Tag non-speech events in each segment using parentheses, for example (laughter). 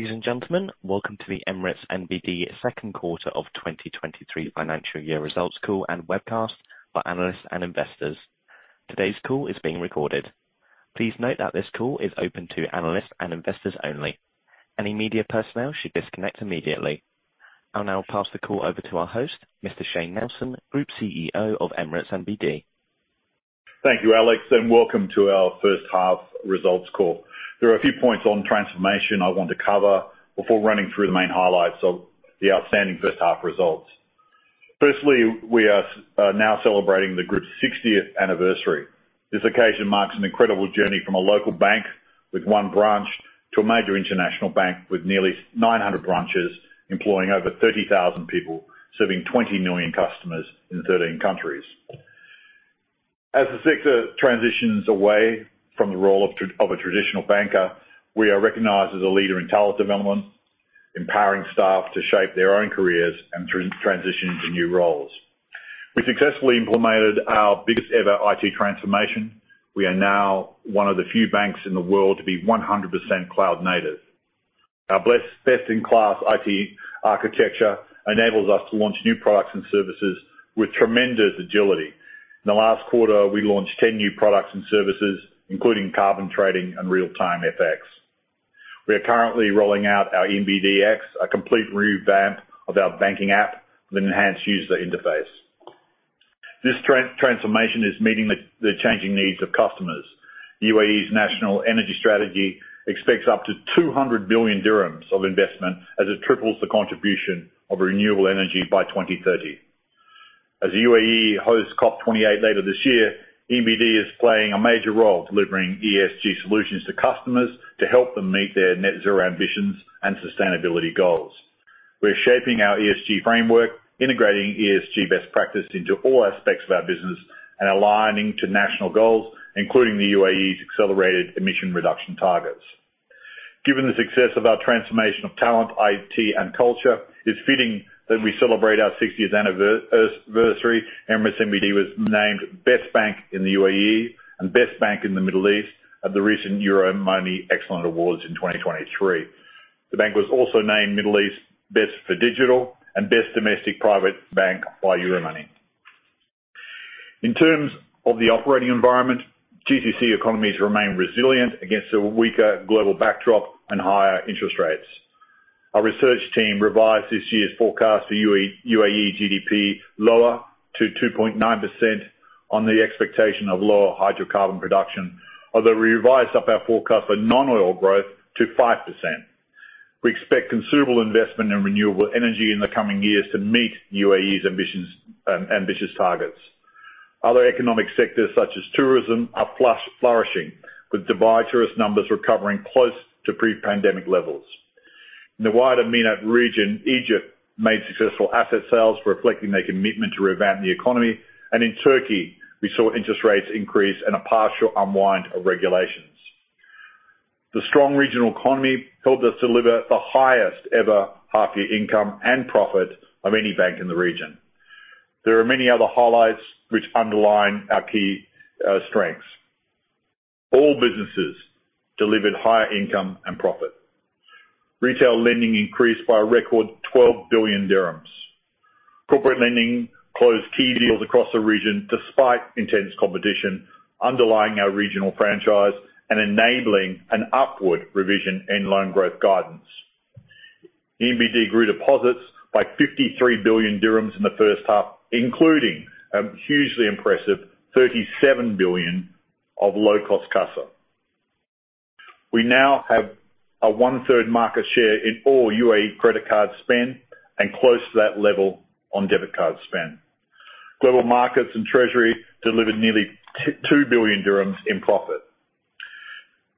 Ladies and gentlemen, welcome to the Emirates NBD second quarter of 2023 financial year results call and webcast for analysts and investors. Today's call is being recorded. Please note that this call is open to analysts and investors only. Any media personnel should disconnect immediately. I'll now pass the call over to our host, Mr. Shayne Nelson, Group CEO of Emirates NBD. Thank you, Alex. Welcome to our first half results call. There are a few points on transformation I want to cover before running through the main highlights of the outstanding first half results. Firstly, we are now celebrating the Group's 60th anniversary. This occasion marks an incredible journey from a local bank with one branch to a major international bank with nearly 900 branches, employing over 30,000 people, serving 20 million customers in 13 countries. As the sector transitions away from the role of a traditional banker, we are recognized as a leader in talent development, empowering staff to shape their own careers and transition into new roles. We successfully implemented our biggest ever IT transformation. We are now one of the few banks in the world to be 100% cloud native. Our best-in-class IT architecture enables us to launch new products and services with tremendous agility. In the last quarter, we launched 10 new products and services, including carbon trading and real-time FX. We are currently rolling out our ENBD X, a complete revamp of our banking app with enhanced user interface. This transformation is meeting the changing needs of customers. U.A.E.'s national energy strategy expects up to 200 billion dirhams of investment as it triples the contribution of renewable energy by 2030. As the U.A.E. hosts COP28 later this year, ENBD is playing a major role delivering ESG solutions to customers to help them meet their net zero ambitions and sustainability goals. We're shaping our ESG framework, integrating ESG best practice into all aspects of our business, and aligning to national goals, including the U.A.E.'s accelerated emission reduction targets. Given the success of our transformation of talent, IT, and culture, it's fitting that we celebrate our 60th anniversary. Emirates NBD was named Best Bank in the U.A.E. and Best Bank in the Middle East at the recent Euromoney Awards for Excellence in 2023. The bank was also named Middle East Best for Digital and Best Domestic Private Bank by Euromoney. In terms of the operating environment, GCC economies remain resilient against a weaker global backdrop and higher interest rates. Our research team revised this year's forecast for U.A.E. GDP lower to 2.9% on the expectation of lower hydrocarbon production, although we revised up our forecast for non-oil growth to 5%. We expect considerable investment in renewable energy in the coming years to meet U.A.E.'s ambitious targets. Other economic sectors, such as tourism, are flourishing, with Dubai tourist numbers recovering close to pre-pandemic levels. In the wider MENAT region, Egypt made successful asset sales, reflecting their commitment to revamp the economy. In Turkey, we saw interest rates increase and a partial unwind of regulations. The strong regional economy helped us deliver the highest ever half-year income and profit of any bank in the region. There are many other highlights which underline our key strengths. All businesses delivered higher income and profit. Retail lending increased by a record 12 billion dirhams. Corporate lending closed key deals across the region, despite intense competition, underlying our regional franchise and enabling an upward revision in loan growth guidance. NBD grew deposits by 53 billion dirhams in the first half, including a hugely impressive 37 billion of low-cost CASA. We now have a 1/3 market share in all U.A.E. credit card spend and close to that level on debit card spend. Global Markets and Treasury delivered nearly 2 billion dirhams in profit.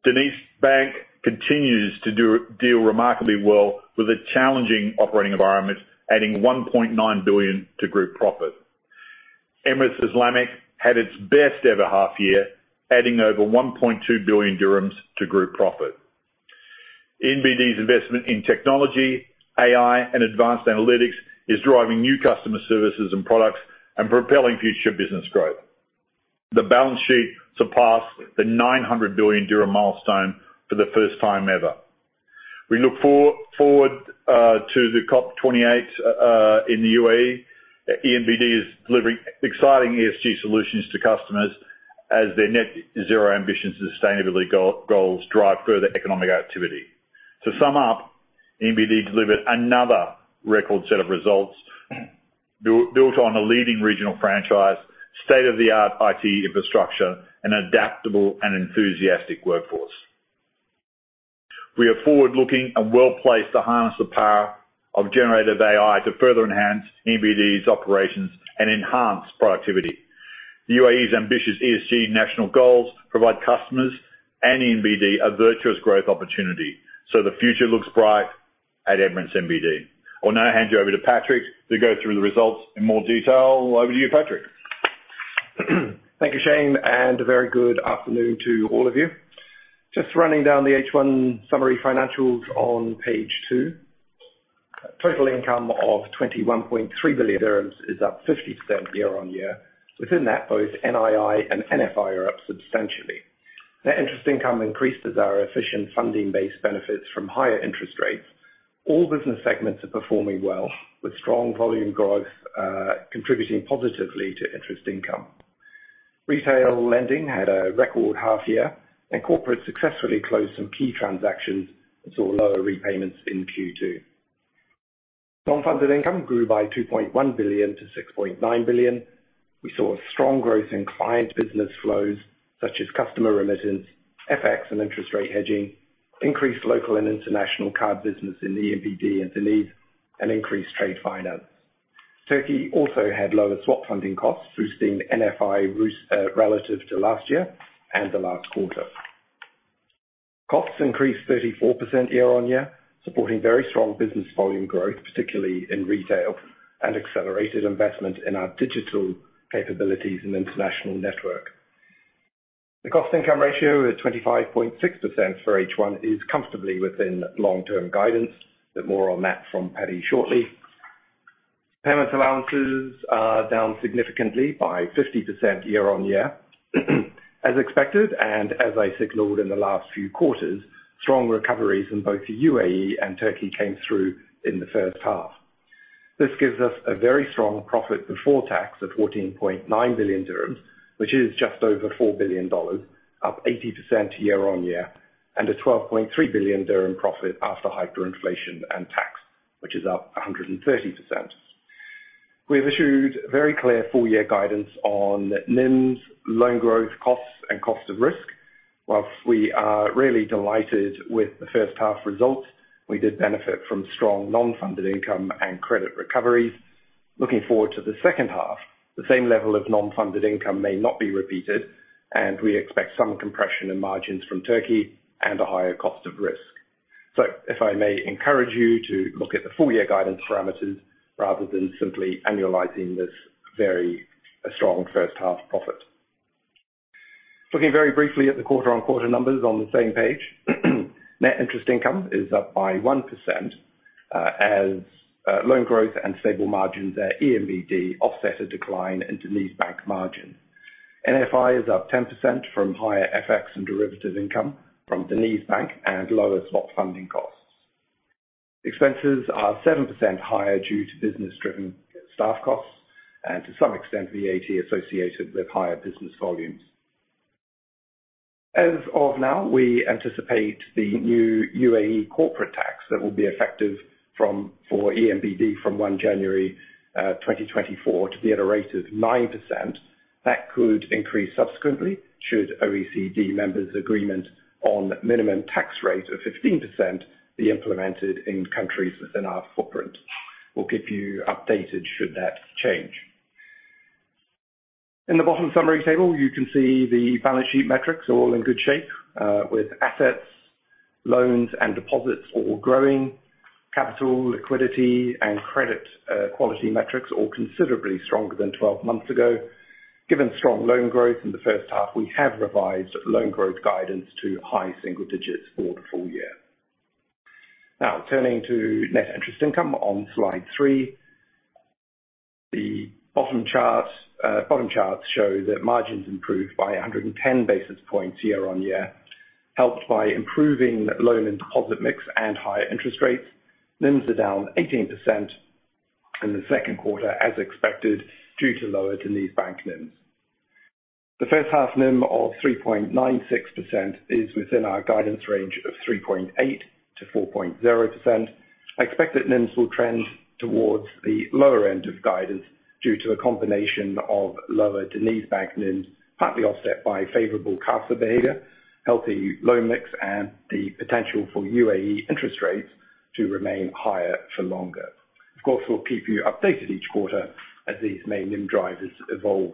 DenizBank continues to deal remarkably well with a challenging operating environment, adding 1.9 billion to Group profit. Emirates Islamic had its best ever half year, adding over 1.2 billion dirhams to Group profit. NBD's investment in technology, AI, and Advanced Analytics is driving new customer services and products and propelling future business growth. The balance sheet surpassed the 900 billion dirham milestone for the first time ever. We look forward to the COP28 in the U.A.E. ENBD is delivering exciting ESG solutions to customers as their net zero ambition sustainability goals drive further economic activity. To sum up, NBD delivered another record set of results built on a leading regional franchise, state-of-the-art IT infrastructure, an adaptable and enthusiastic workforce. We are forward-looking and well placed to harness the power of generative AI to further enhance NBD's operations and enhance productivity. The U.A.E.'s ambitious ESG national goals provide customers and NBD a virtuous growth opportunity, the future looks bright at Emirates NBD. I'll now hand you over to Patrick to go through the results in more detail. Over to you, Patrick. Thank you, Shayne, and a very good afternoon to all of you. Just running down the H1 summary financials on page two. Total income of 21.3 billion dirhams is up 50% year-on-year. Within that, both NII and NFI are up substantially. Net interest income increased as our efficient funding base benefits from higher interest rates. All business segments are performing well, with strong volume growth, contributing positively to interest income. Retail lending had a record half year, and corporate successfully closed some key transactions and saw lower repayments in Q2. Non-funded income grew by 2.1 billion-6.9 billion. We saw a strong growth in client business flows such as customer remittance, FX, and interest rate hedging, increased local and international card business in the ENBD and Deniz, and increased trade finance. Turkey also had lower swap funding costs, boosting NFI relative to last year and the last quarter. Costs increased 34% year-on-year, supporting very strong business volume growth, particularly in retail and accelerated investment in our digital capabilities and international network. The cost income ratio is 25.6% for H1, is comfortably within long-term guidance, more on that from Paddy shortly. Impairment allowances are down significantly by 50% year-on-year. As expected, and as I signaled in the last few quarters, strong recoveries in both the U.A.E. and Turkey came through in the first half. This gives us a very strong profit before tax of 14.9 billion dirhams, which is just over $4 billion, up 80% year-on-year, and a 12.3 billion dirham profit after hyperinflation and tax, which is up 130%. We have issued very clear full-year guidance on NIMs, loan growth costs, and cost of risk. Whilst we are really delighted with the first half results, we did benefit from strong non-funded income and credit recoveries. Looking forward to the second half, the same level of non-funded income may not be repeated, and we expect some compression in margins from Turkey and a higher cost of risk. If I may encourage you to look at the full-year guidance parameters rather than simply annualizing this very strong first half profit. Looking very briefly at the quarter-on-quarter numbers on the same page. Net interest income is up by 1%, as loan growth and stable margins at ENBD offset a decline in DenizBank margin. NFI is up 10% from higher FX and derivative income from DenizBank and lower swap funding costs. Expenses are 7% higher due to business-driven staff costs and to some extent, VAT associated with higher business volumes. As of now, we anticipate the new U.A.E. corporate tax that will be effective for ENBD from 1 January 2024 to be at a rate of 9%. That could increase subsequently, should OECD members agreement on minimum tax rate of 15% be implemented in countries within our footprint. We'll keep you updated should that change. In the bottom summary table, you can see the balance sheet metrics are all in good shape, with assets, loans, and deposits all growing. Capital, liquidity, and credit quality metrics, all considerably stronger than 12 months ago. Given strong loan growth in the first half, we have revised loan growth guidance to high single digits for the full year. Now turning to Net Interest Income on slide three. The bottom charts show that margins improved by 110 basis points year-on-year, helped by improving loan and deposit mix and higher interest rates. NIMs are down 18% in the second quarter, as expected, due to lower DenizBank NIMs. The first half NIM of 3.96% is within our guidance range of 3.8%-4.0%. Expect that NIMs will trend towards the lower end of guidance due to a combination of lower DenizBank NIMs, partly offset by favorable CASA behavior, healthy loan mix, and the potential for U.A.E. interest rates to remain higher for longer. Of course, we'll keep you updated each quarter as these main NIM drivers evolve.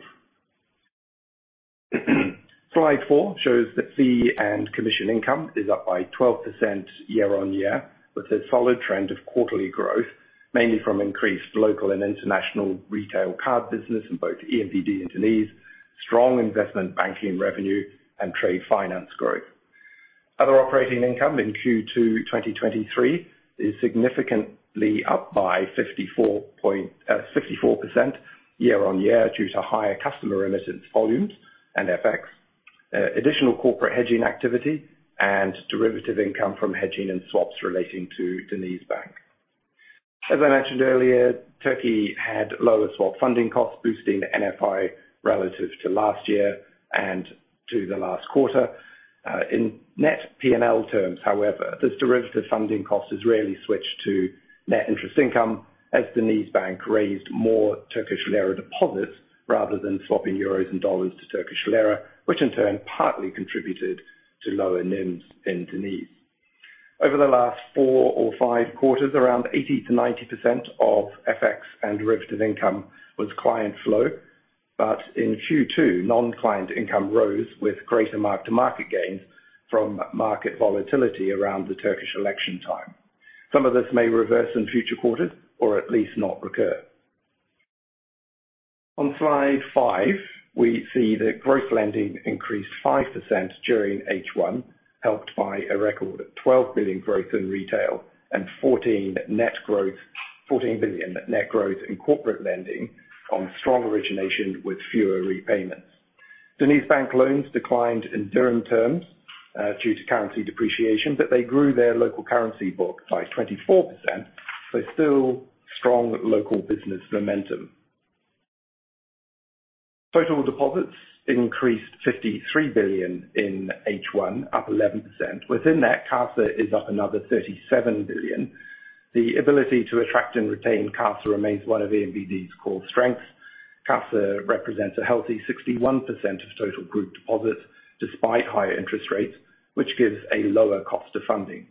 Slide four shows that fee and commission income is up by 12% year-on-year, with a solid trend of quarterly growth, mainly from increased local and international retail card business in both ENBD and Deniz, strong investment banking revenue, and trade finance growth. Other operating income in Q2 2023 is significantly up by 54% year-on-year, due to higher customer remittance volumes and FX. Additional corporate hedging activity and derivative income from hedging and swaps relating to DenizBank. As I mentioned earlier, Turkey had lower swap funding costs, boosting NFI relative to last year and to the last quarter. In net P&L terms, however, this derivative funding cost has rarely switched to net interest income, as DenizBank raised more Turkish lira deposits rather than swapping euros and dollars to Turkish lira, which in turn partly contributed to lower NIMs in Deniz. Over the last four or five quarters, around 80%-90% of FX and derivative income was client flow, but in Q2, non-client income rose with greater mark-to-market gains from market volatility around the Turkish election time. Some of this may reverse in future quarters, or at least not recur. On slide five, we see that growth lending increased 5% during H1, helped by a record of 12 billion growth in retail and 14 billion net growth in corporate lending on strong origination with fewer repayments. DenizBank loans declined in dirham terms due to currency depreciation, but they grew their local currency book by 24%. Still strong local business momentum. Total deposits increased 53 billion in H1, up 11%. Within that, CASA is up another 37 billion. The ability to attract and retain CASA remains one of ENBD's core strengths. CASA represents a healthy 61% of total Group deposits, despite higher interest rates, which gives a lower cost of funding.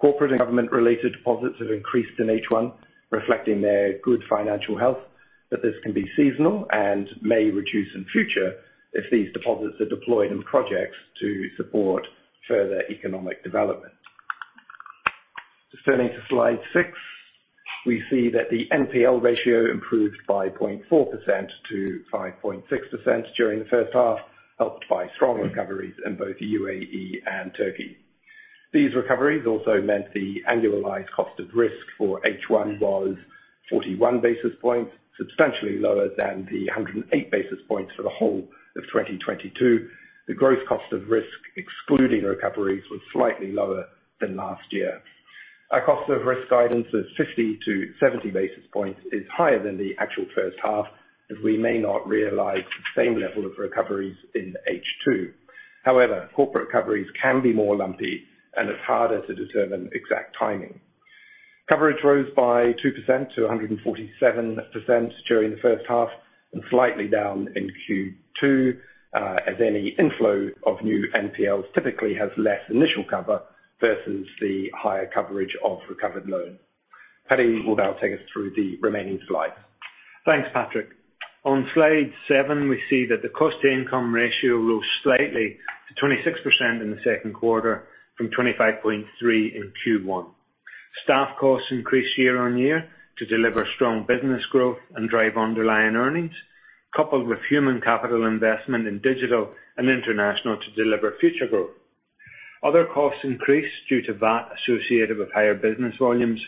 Corporate and Government-related deposits have increased in H1, reflecting their good financial health, but this can be seasonal and may reduce in future if these deposits are deployed in projects to support further economic development. Just turning to slide six, we see that the NPL ratio improved by 0.4%-5.6% during the first half, helped by strong recoveries in both U.A.E. and Turkey. These recoveries also meant the annualized cost of risk for H1 was 41 basis points, substantially lower than the 108 basis points for the whole of 2022. The growth cost of risk, excluding recoveries, was slightly lower than last year. Our cost of risk guidance is 50 to 70 basis points, is higher than the actual first half, as we may not realize the same level of recoveries in H2. Corporate recoveries can be more lumpy, and it's harder to determine exact timing. Coverage rose by 2%-147% during the first half, and slightly down in Q2, as any inflow of new NPLs typically has less initial cover versus the higher coverage of recovered loans. Paddy will now take us through the remaining slides. Thanks, Patrick. On slide seven, we see that the cost-to-income ratio rose slightly to 26% in the second quarter from 25.3 in Q1. Staff costs increased year-on-year to deliver strong business growth and drive underlying earnings, coupled with human capital investment in digital and international to deliver future growth. Other costs increased due to VAT associated with higher business volumes,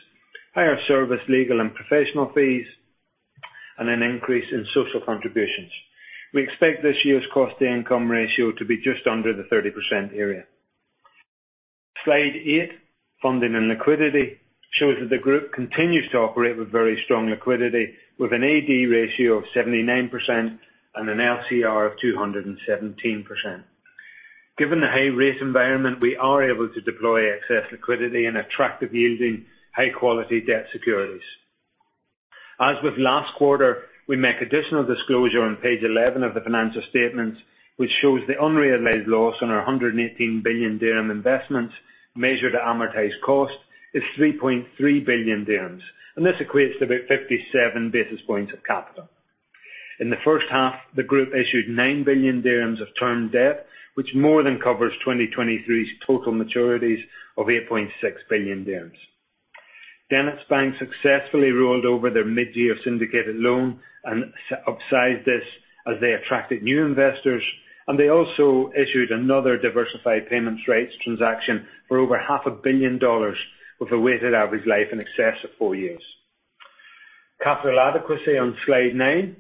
higher service, legal and professional fees, and an increase in social contributions. We expect this year's cost-to-income ratio to be just under the 30% area. Slide eight, funding and liquidity, shows that the Group continues to operate with very strong liquidity, with an AD ratio of 79% and an LCR of 217%. Given the high rate environment, we are able to deploy excess liquidity and attractive yielding high-quality debt securities. As with last quarter, we make additional disclosure on page 11 of the financial statements, which shows the unrealized loss on our 118 billion dirham investments. Measured amortized cost is 3.3 billion dirhams. This equates to about 57 basis points of capital. In the first half, the Group issued 9 billion dirhams of term debt, which more than covers 2023's total maturities of 8.6 billion dirhams. DenizBank successfully rolled over their mid-year syndicated loan and upsized this as they attracted new investors, and they also issued another diversified payment rights transaction for over $500 million, with a weighted average life in excess of four years. Capital adequacy on slide nine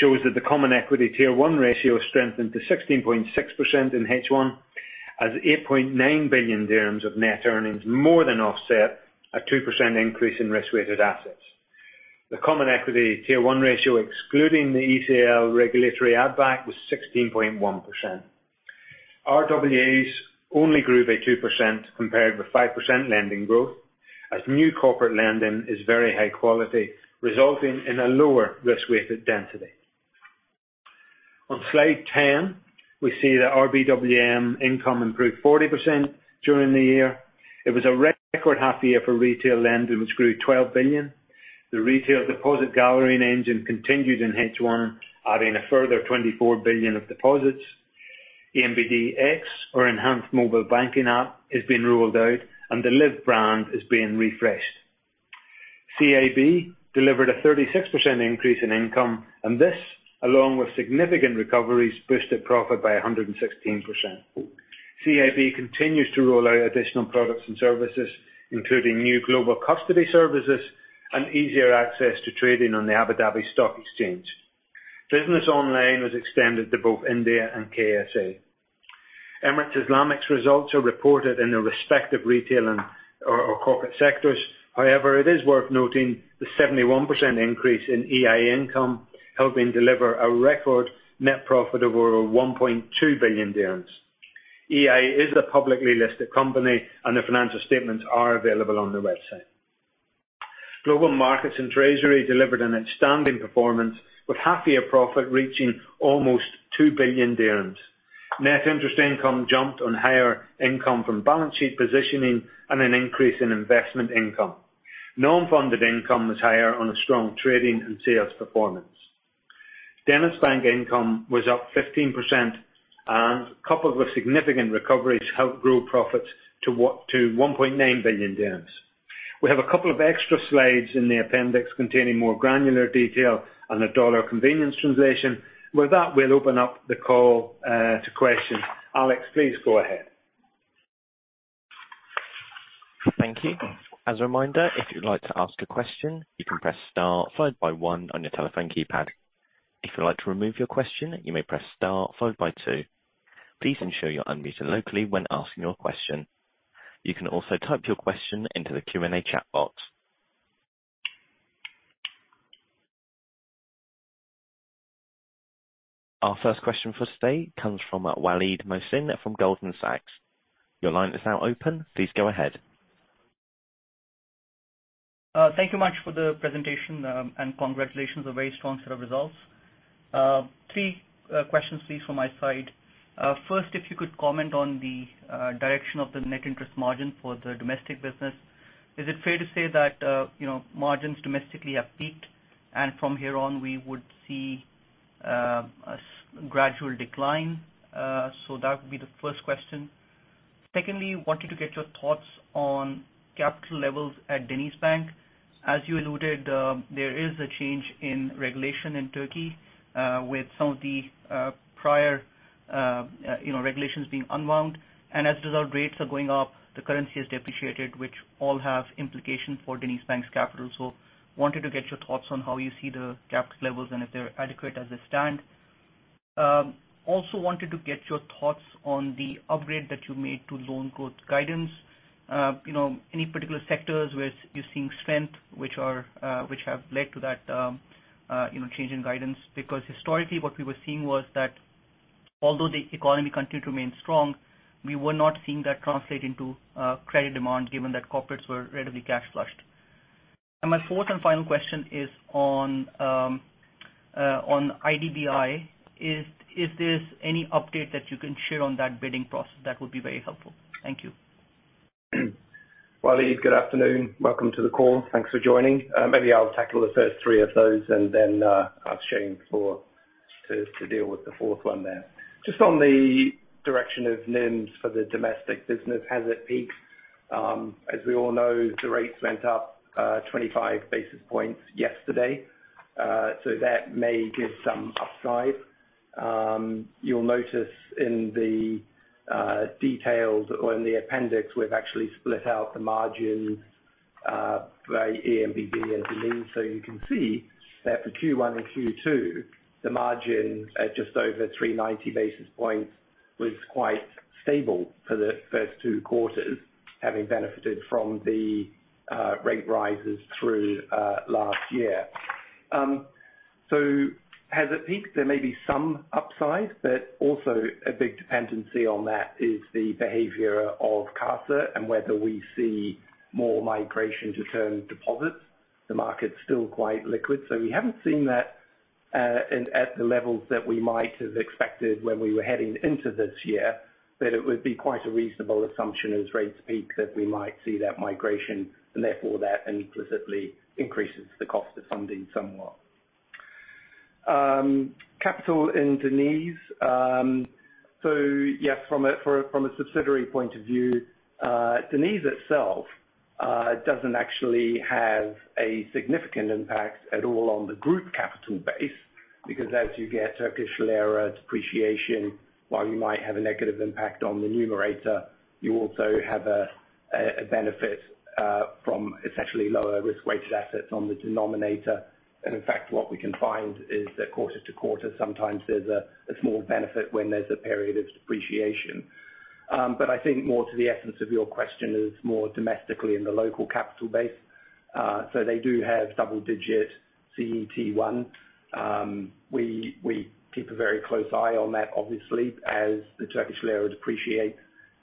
shows that the Common Equity Tier 1 ratio strengthened to 16.6% in H1, as 8.9 billion dirhams of net earnings more than offset a 2% increase in risk-weighted assets. The Common Equity Tier 1 ratio, excluding the ECL regulatory add-back, was 16.1%. RWAs only grew by 2% compared with 5% lending growth, as new corporate lending is very high quality, resulting in a lower risk-weighted density. On slide 10, we see that RBWM income improved 40% during the year. It was a record half year for retail lending, which grew 12 billion. The retail deposit gathering engine continued in H1, adding a further 24 billion of deposits. ENBD X, or enhanced mobile banking app, is being rolled out, and the Liv brand is being refreshed. CIB delivered a 36% increase in income. This, along with significant recoveries, boosted profit by 116%. CIB continues to roll out additional products and services, including new global custody services and easier access to trading on the Abu Dhabi Securities Exchange. businessONLINE was extended to both India and KSA. Emirates Islamic's results are reported in the respective retail and or corporate sectors. It is worth noting the 71% increase in EI income, helping deliver a record net profit of over 1.2 billion dirhams. EI is a publicly listed company, and the financial statements are available on the website. Global Markets and Treasury delivered an outstanding performance, with half year profit reaching almost 2 billion dirhams. Net interest income jumped on higher income from balance sheet positioning and an increase in investment income. Non-funded income was higher on a strong trading and sales performance. DenizBank income was up 15% and coupled with significant recoveries, helped grow profits to 1.9 billion. We have a couple of extra slides in the appendix containing more granular detail on the dollar convenience translation. With that, we'll open up the call to questions. Alex, please go ahead. Thank you. As a reminder, if you'd like to ask a question, you can press star followed by one on your telephone keypad. If you'd like to remove your question, you may press star followed by two. Please ensure you're unmuted locally when asking your question. You can also type your question into the Q&A chat box. Our first question for today comes from Waleed Mohsin from Goldman Sachs. Your line is now open. Please go ahead. Thank you much for the presentation, and congratulations, a very strong set of results. Three questions please from my side. First, if you could comment on the direction of the net interest margin for the domestic business. Is it fair to say that, you know, margins domestically have peaked, and from here on we would see a gradual decline? That would be the first question. Secondly, wanted to get your thoughts on capital levels at DenizBank. As you alluded, there is a change in regulation in Turkey, with some of the prior, you know, regulations being unwound. As a result, rates are going up, the currency has depreciated, which all have implications for DenizBank's capital. Wanted to get your thoughts on how you see the capital levels and if they're adequate as they stand. Also wanted to get your thoughts on the upgrade that you made to loan growth guidance. You know, any particular sectors where you're seeing strength, which are, which have led to that, you know, change in guidance? Because historically, what we were seeing was that although the economy continued to remain strong, we were not seeing that translate into credit demand, given that corporates were relatively cash flushed. My fourth and final question is on IDBI. Is there any update that you can share on that bidding process? That would be very helpful. Thank you. Waleed, good afternoon. Welcome to the call. Thanks for joining. Maybe I'll tackle the first three of those, I'll ask Shayne to deal with the fourth one there. Just on the direction of NIMs for the domestic business, has it peaked? As we all know, the rates went up 25 basis points yesterday. That may give some upside. You'll notice in the details or in the appendix, we've actually split out the margin by ENBD and Deniz. You can see that for Q1 and Q2, the margin at just over 390 basis points was quite stable for the first two quarters, having benefited from the rate rises through last year. Has it peaked? (audio distortion) There may be some upside, but also a big dependency on that is the behavior of CASA and whether we see more migration to term deposits. The market's still quite liquid, so we haven't seen that, and at the levels that we might have expected when we were heading into this year, that it would be quite a reasonable assumption as rates peak, that we might see that migration, and therefore that implicitly increases the cost of funding somewhat. Capital in Deniz. Yes, from a subsidiary point of view, Deniz itself, doesn't actually have a significant impact at all on the Group capital base, because as you get Turkish lira depreciation, while you might have a negative impact on the numerator, you also have a benefit from essentially lower risk-weighted assets on the denominator. In fact, what we can find is that quarter-to-quarter, sometimes there's a small benefit when there's a period of depreciation. I think more to the essence of your question is more domestically in the local capital base. They do have double-digit CET1. We keep a very close eye on that, obviously, as the Turkish lira depreciate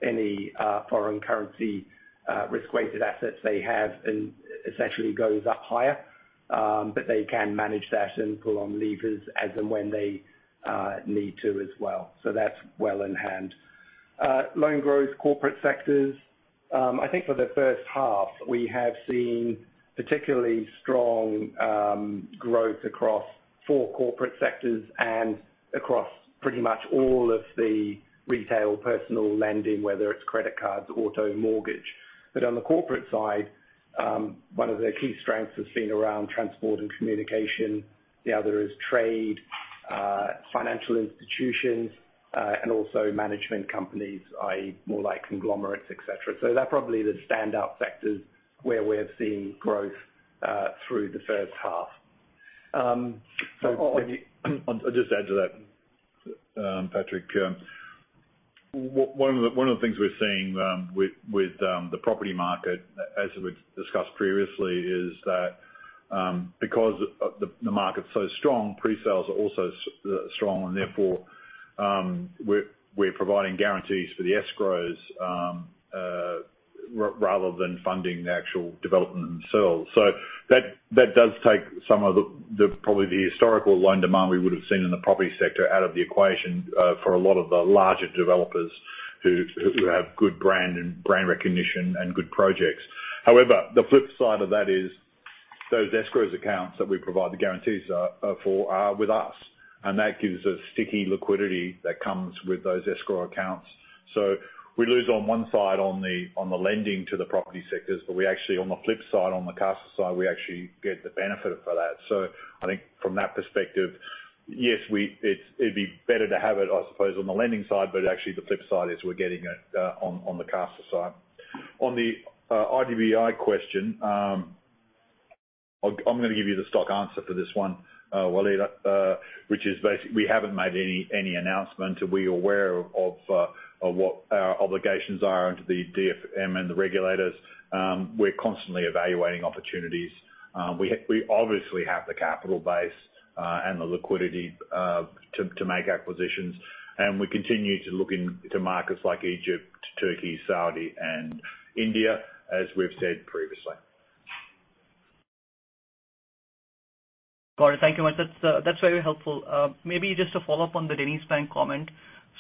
any foreign currency risk-weighted assets they have and essentially goes up higher. They can manage that and pull on levers as and when they need to as well. That's well in hand. Loan growth, corporate sectors. I think for the first half, we have seen particularly strong growth across four corporate sectors and across pretty much all of the retail personal lending, whether it's credit cards, auto, mortgage. On the corporate side, one of their key strengths has been around transport and communication. The other is trade, financial institutions, and also management companies, i.e., more like conglomerates, et cetera. That's probably the standout sectors where we've seen growth through the first half. I'll just add to that, Patrick. One of the things we're seeing, with the property market, as we've discussed previously, is that, because the market's so strong, presales are also strong, and therefore, we're providing guarantees for the escrows, rather than funding the actual development themselves. That does take some of the probably the historical loan demand we would have seen in the property sector out of the equation, for a lot of the larger developers who have good brand and brand recognition and good projects. The flip side of that is, those escrow accounts that we provide the guarantees for are with us, and that gives us sticky liquidity that comes with those escrow accounts. We lose on one side on the lending to the property sectors, but we actually, on the flip side, on the CASA side, we actually get the benefit for that. I think from that perspective, yes, it'd be better to have it, I suppose, on the lending side, but actually the flip side is we're getting it on the CASA side. On the IDBI question, I'm gonna give you the stock answer for this one, Waleed, which is we haven't made any announcement, and we're aware of what our obligations are under the DFM and the regulators. We're constantly evaluating opportunities. We obviously have the capital base, and the liquidity, to make acquisitions. We continue to look in to markets like Egypt, Turkey, Saudi, and India, as we've said previously. Got it. Thank you much. That's, that's very helpful. Maybe just to follow up on the DenizBank comment.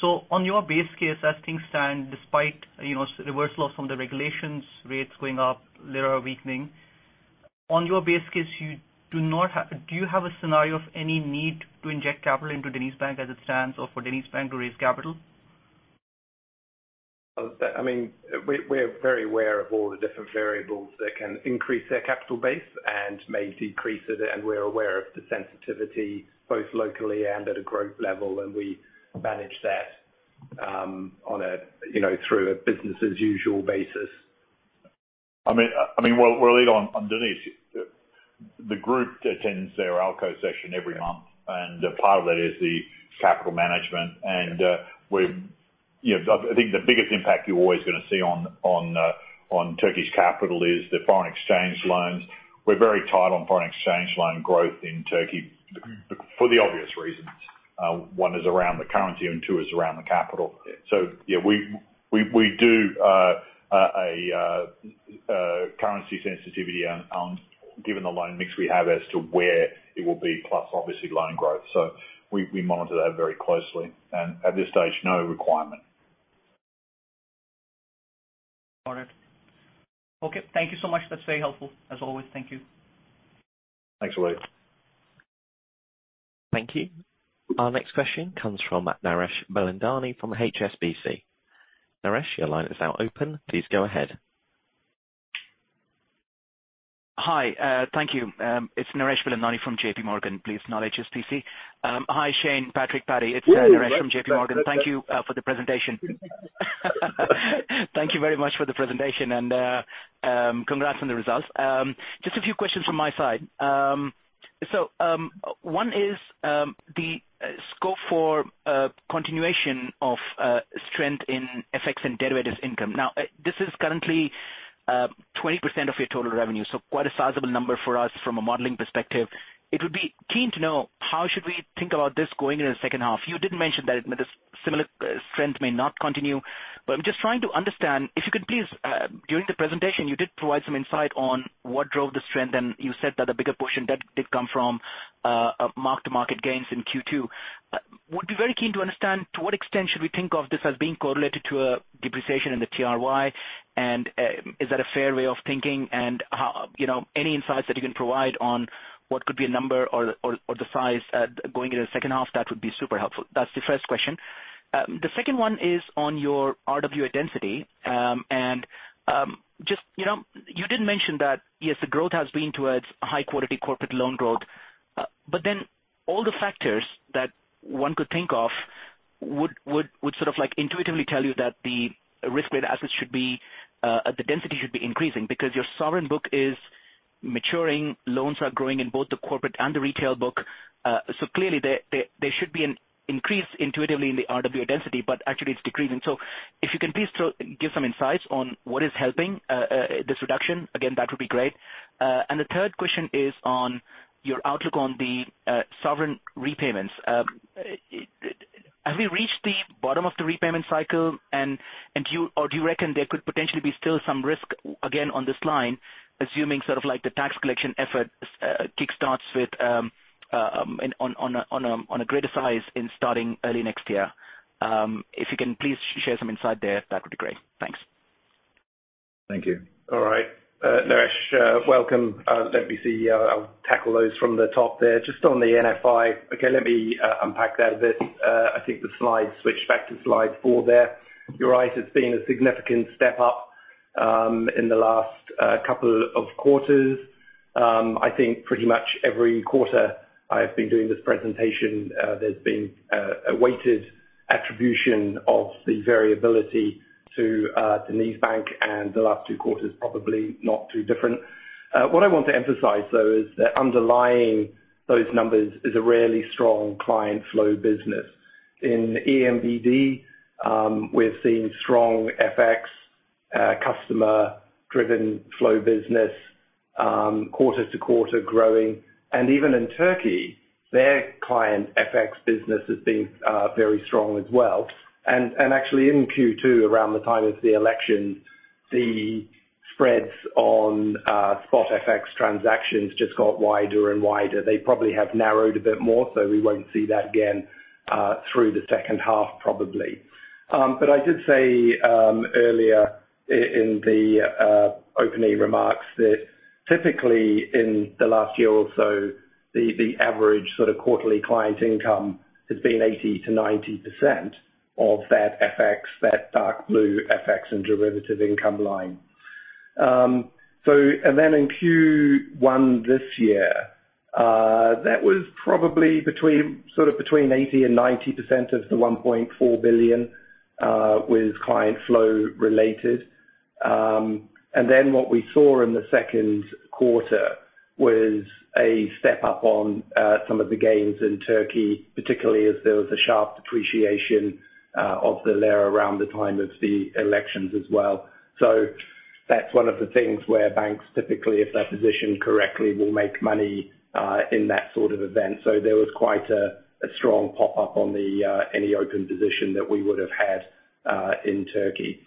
On your base case, as things stand, despite, you know, reversal of some of the regulations, rates going up, lira weakening. On your base case, you do not have. Do you have a scenario of any need to inject capital into DenizBank as it stands, or for DenizBank to raise capital? I mean, we're very aware of all the different variables that can increase their capital base and may decrease it, and we're aware of the sensitivity, both locally and at a Group level, and we manage that, on a, you know, through a business as usual basis. I mean, Waleed, on Deniz, the Group attends their ALCO session every month, and a part of that is the capital management. We're, you know, I think the biggest impact you're always gonna see on Turkey's capital is the foreign exchange loans. We're very tight on foreign exchange loan growth in Turkey, for the obvious reasons. One is around the currency, two is around the capital. Yeah. Yeah, we do currency sensitivity and given the loan mix we have as to where it will be, plus obviously loan growth. We monitor that very closely, and at this stage, no requirement. Got it. Okay, thank you so much. That's very helpful, as always. Thank you. Thanks, Waleed. Thank you. Our next question comes from Naresh Bilandani from HSBC. Naresh, your line is now open. Please go ahead. Hi, thank you. It's Naresh Bilandani from JPMorgan, please, not HSBC. Hi, Shayne, Patrick, Paddy. Ooh, hi. It's Naresh from JPMorgan. Thank you for the presentation. Thank you very much for the presentation, and congrats on the results. Just a few questions from my side. One is the scope for continuation of strength in FX and derivatives income. This is currently 20% of your total revenue, so quite a sizable number for us from a modeling perspective. It would be keen to know: How should we think about this going in the second half? You did mention that this similar strength may not continue, but I'm just trying to understand, if you could please, during the presentation, you did provide some insight on what drove the strength, and you said that a bigger portion, that did come from mark-to-market gains in Q2. Would be very keen to understand, to what extent should we think of this as being correlated to a depreciation in the TRY, and is that a fair way of thinking? You know, any insights that you can provide on what could be a number or the size going into the second half, that would be super helpful. That's the first question. The second one is on your RWA density. Just, you know, you did mention that yes, the growth has been towards a high-quality corporate loan growth, but then all the factors that one could think of would sort of like intuitively tell you that the risk-weight assets should be, the density should be increasing because your sovereign book is maturing, loans are growing in both the corporate and the retail book. Clearly, there should be an increase intuitively in the RWA density, but actually it's decreasing. If you can please give some insights on what is helping this reduction, again, that would be great. The third question is on your outlook on the sovereign repayments. Have we reached the bottom of the repayment cycle, and do you or do you reckon there could potentially be still some risk again on this line, assuming sort of like the tax collection effort kickstarts with on a greater size in starting early next year? If you can please share some insight there, that would be great. Thanks. Thank you. All right. Naresh, welcome, let me see, I'll tackle those from the top there. Just on the NFI, okay, let me unpack that a bit. I think the slide, switch back to slide four there. You're right, it's been a significant step up in the last couple of quarters. I think pretty much every quarter I've been doing this presentation, there's been a weighted attribution of the variability to DenizBank, and the last two quarters, probably not too different. What I want to emphasize, though, is that underlying those numbers is a really strong client flow business. In ENBD, we've seen strong FX, customer-driven flow business, quarter to quarter growing, and even in Turkey, their client FX business has been very strong as well. Actually in Q2, around the time of the election, the spreads on spot FX transactions just got wider and wider. They probably have narrowed a bit more, so we won't see that again through the second half, probably. I did say earlier in the opening remarks that typically in the last year or so, the average quarterly client income has been 80%-90% of that FX, that dark blue FX and derivative income line. In Q1 this year, that was probably between 80% and 90% of the $1.4 billion, was client flow related. What we saw in the second quarter was a step up on some of the gains in Turkey, particularly as there was a sharp depreciation of the lira around the time of the elections as well. That's one of the things where banks, typically, if they're positioned correctly, will make money in that sort of event. There was quite a strong pop up on the any open position that we would have had in Turkey.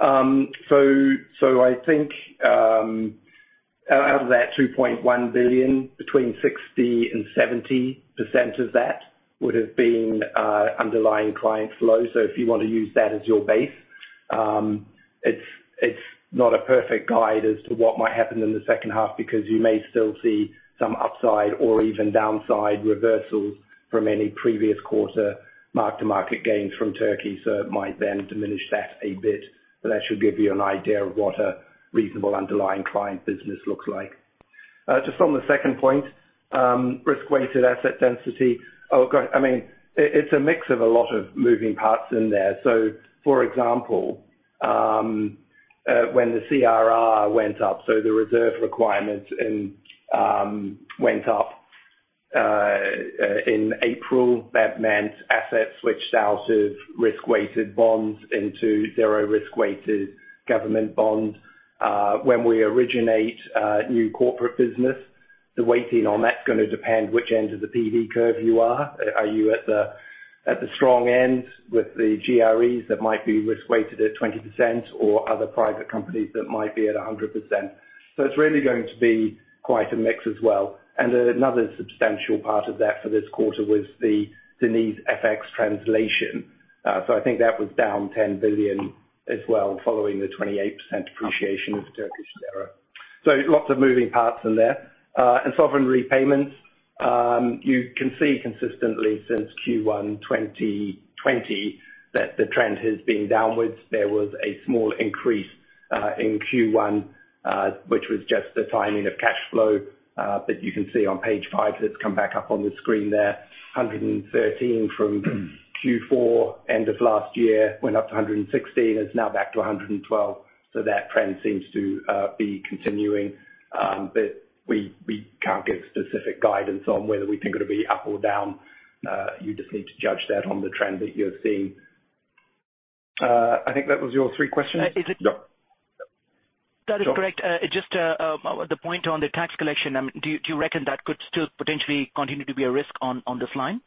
I think out of that 2.1 billion, between 60% and 70% of that would have been underlying client flow. If you want to use that as your base, it's not a perfect guide as to what might happen in the second half, because you may still see some upside or even downside reversals from any previous quarter mark-to-market gains from Turkey. It might then diminish that a bit, but that should give you an idea of what a reasonable underlying client business looks like. Just on the second point, risk-weighted asset density. Oh, God, I mean, it's a mix of a lot of moving parts in there. For example, when the CRR went up, the reserve requirements went up in April, that meant assets switched out of risk-weighted bonds into zero risk-weighted government bonds. When we originate new corporate business, the weighting on that's going to depend which end of the PV curve you are. Are you at the strong end with the GREs that might be risk-weighted at 20% or other private companies that might be at 100%? It's really going to be quite a mix as well. Another substantial part of that for this quarter was the Deniz FX translation. I think that was down 10 billion as well, following the 28% depreciation of the Turkish lira. Lots of moving parts in there. Sovereign repayments, you can see consistently since Q1, 2020, that the trend has been downwards. There was a small increase in Q1, which was just the timing of cash flow. You can see on page five, that's come back up on the screen there. 113 from Q4, end of last year, went up to 116, it's now back to 112. That trend seems to be continuing. We, we can't give specific guidance on whether we think it'll be up or down. You just need to judge that on the trend that you're seeing. I think that was your three questions. Is it? Yeah. That is correct. Sure. Just the point on the tax collection, do you, do you reckon that could still potentially continue to be a risk on this line?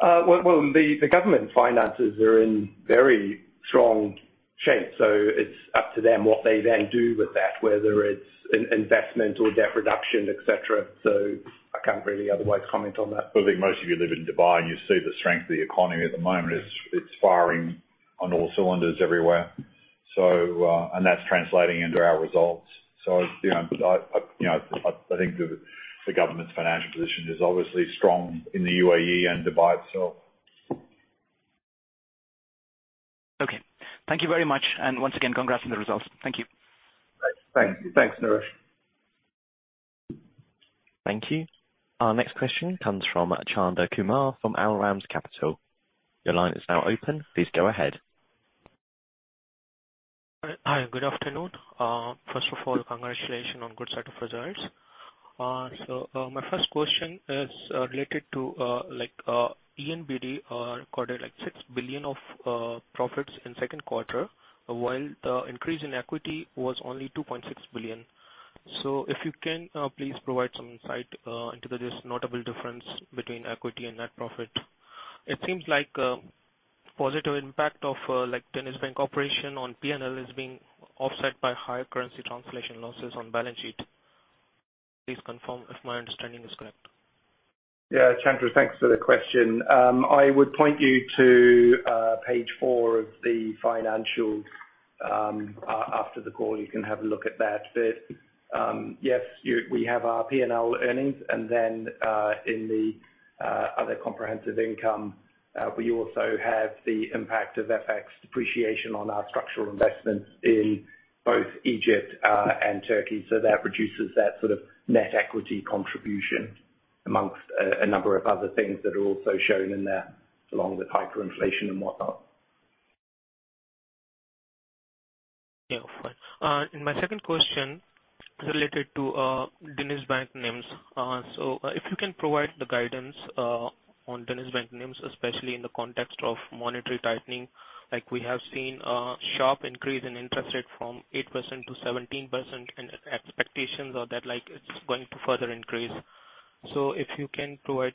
Well, the government finances are in very strong shape, so it's up to them what they then do with that, whether it's investment or debt reduction, et cetera. I can't really otherwise comment on that. Well, I think most of you live in Dubai, and you see the strength of the economy at the moment. It's firing on all cylinders everywhere. That's translating into our results. you know, I think the government's financial position is obviously strong in the U.A.E. and Dubai itself. Okay, thank you very much. Once again, congrats on the results. Thank you. Thanks. Thanks, Naresh. Thank you. Our next question comes from Chander Kumar, from Al Ramz Capital. Your line is now open. Please go ahead. Hi, good afternoon. First of all, congratulations on good set of results. My first question is related to, like, ENBD recorded like 6 billion of profits in second quarter, while the increase in equity was only 2.6 billion. If you can, please provide some insight into this notable difference between equity and net profit. It seems like, positive impact of, like, DenizBank operation on P&L is being offset by higher currency translation losses on balance sheet. Please confirm if my understanding is correct. Yeah, Chander, thanks for the question. I would point you to page four of the financials. After the call, you can have a look at that. Yes, we have our P&L earnings, and then in the other comprehensive income, we also have the impact of FX depreciation on our structural investments in both Egypt and Turkey. That reduces that sort of net equity contribution amongst a number of other things that are also shown in there, along with hyperinflation and whatnot. Yeah. Fine. My second question is related to DenizBank NIMs. If you can provide the guidance on DenizBank NIMs, especially in the context of monetary tightening, like we have seen a sharp increase in interest rate from 8%-17%, and expectations are that, like, it's going to further increase. If you can provide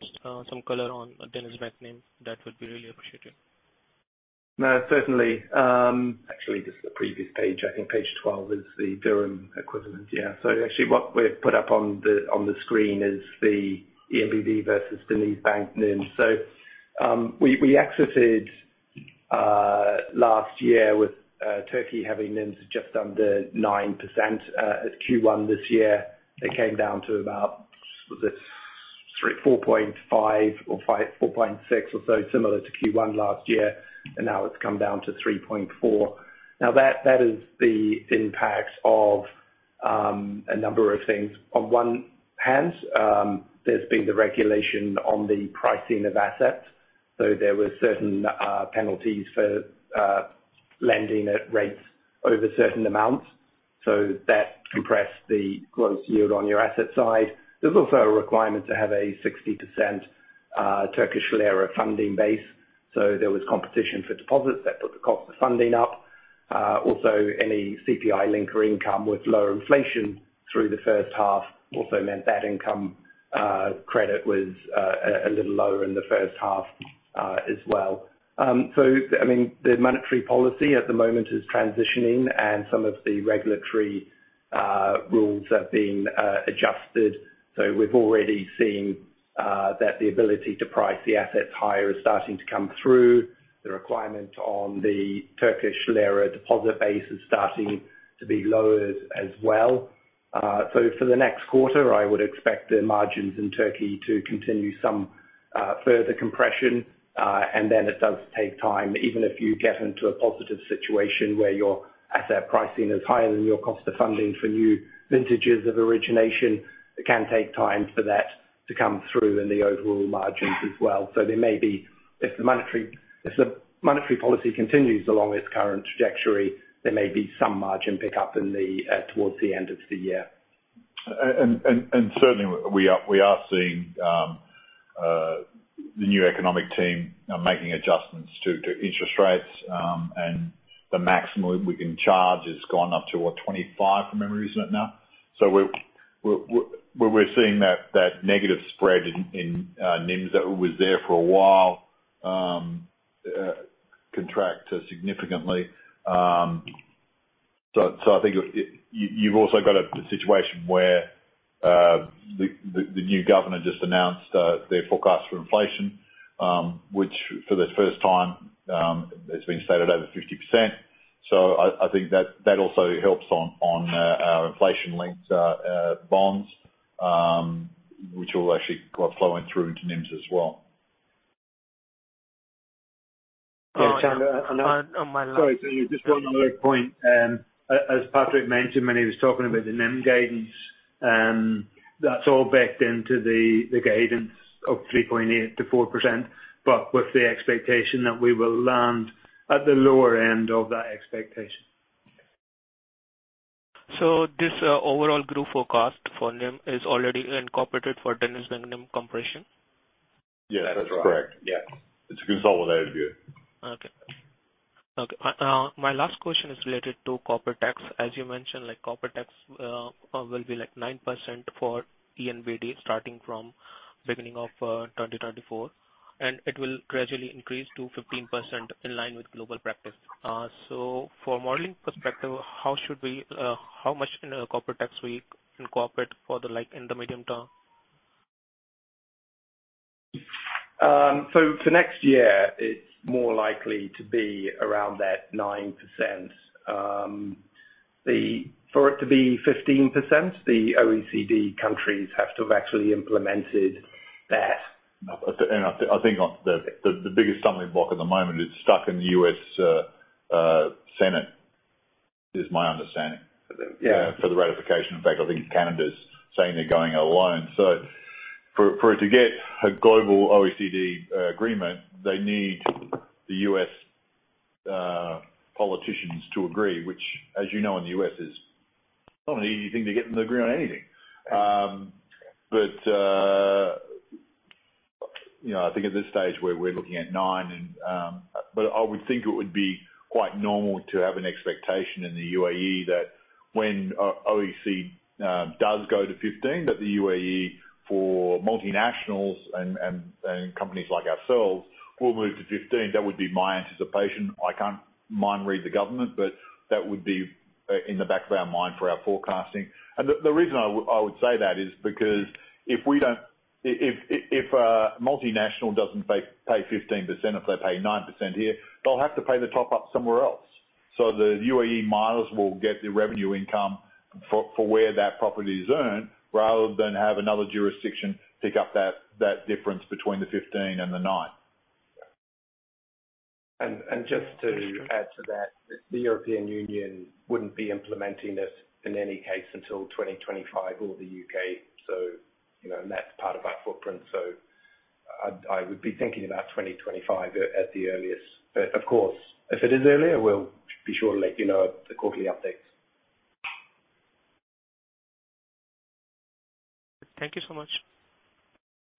some color on DenizBank NIM, that would be really appreciated. No, certainly. Actually, this is the previous page. I think page 12 is the dirham equivalent. Yeah. Actually what we've put up on the screen is the ENBD versus DenizBank NIM. we exited last year with Turkey having NIMs just under 9%. At Q1 this year, they came down to about, was it 3, 4.5 or 5, 4.6 or so, similar to Q1 last year, and now it's come down to 3.4. Now, that is the impact of a number of things. On one hand, there's been the regulation on the pricing of assets, so there were certain penalties for lending at rates over certain amounts. That compressed the gross yield on your asset side. There's also a requirement to have a 60% Turkish lira funding base. There was competition for deposits that put the cost of funding up. Also, any CPI-linked income with lower inflation through the first half also meant that income credit was a little lower in the first half as well. I mean, the monetary policy at the moment is transitioning, and some of the regulatory rules are being adjusted. We've already seen that the ability to price the assets higher is starting to come through. The requirement on the Turkish lira deposit base is starting to be lowered as well. For the next quarter, I would expect the margins in Turkey to continue some further compression. It does take time. Even if you get into a positive situation where your asset pricing is higher than your cost of funding for new vintages of origination, it can take time for that to come through in the overall margins as well. If the monetary policy continues along its current trajectory, there may be some margin pickup in the towards the end of the year. Certainly we are seeing the new economic team making adjustments to interest rates. The maximum we can charge has gone up to what? 25, if my memory isn't wrong. We're seeing that negative spread in NIMs that was there for a while contract significantly. I think you've also got a situation where the new governor just announced their forecast for inflation, which for the first time it's been stated over 50%. I think that also helps on our inflation-linked bonds, which will actually got flowing through into NIMs as well. Oh, sorry. Just one other point, as Patrick mentioned when he was talking about the NIM guidance, that's all baked into the guidance of 3.8%-4%, but with the expectation that we will land at the lower end of that expectation. This, overall Group forecast for NIM is already incorporated for Deniz and NIM compression? Yes, that's correct. That's right. Yeah. It's consolidated view. Okay. Okay, my last question is related to corporate tax. As you mentioned, like, corporate tax, will be, like, 9% for ENBD starting from beginning of 2024, and it will gradually increase to 15% in line with global practice. For modeling perspective, how should we, how much in a corporate tax we incorporate for the, like, in the medium term? For next year, it's more likely to be around that 9%. For it to be 15%, the OECD countries have to have actually implemented that. I think on the biggest stumbling block at the moment, it's stuck in the U.S. Senate, is my understanding. Yeah. For the ratification. In fact, I think Canada's saying they're going alone. For it to get a global OECD agreement, they need the U.S. politicians to agree, which, as you know, in the U.S., is not an easy thing to get them to agree on anything. You know, I think at this stage we're looking at 9 and I would think it would be quite normal to have an expectation in the U.A.E. that when OECD does go to 15, that the U.A.E., for multinationals and, and companies like ourselves, will move to 15. That would be my anticipation. I can't mind read the government, but that would be in the back of our mind for our forecasting. The reason I would say that is because if we don't... If a multinational doesn't pay 15%, if they pay 9% here, they'll have to pay the top-up somewhere else. The U.A.E. might as well get the revenue income for where that property is earned, rather than have another jurisdiction pick up that difference between the 15 and the 9. Just to add to that, the European Union wouldn't be implementing this in any case until 2025 or the U.K. You know, and that's part of our footprint. I'd, I would be thinking about 2025 at the earliest. Of course, if it is earlier, we'll be sure to let you know at the quarterly updates. Thank you so much.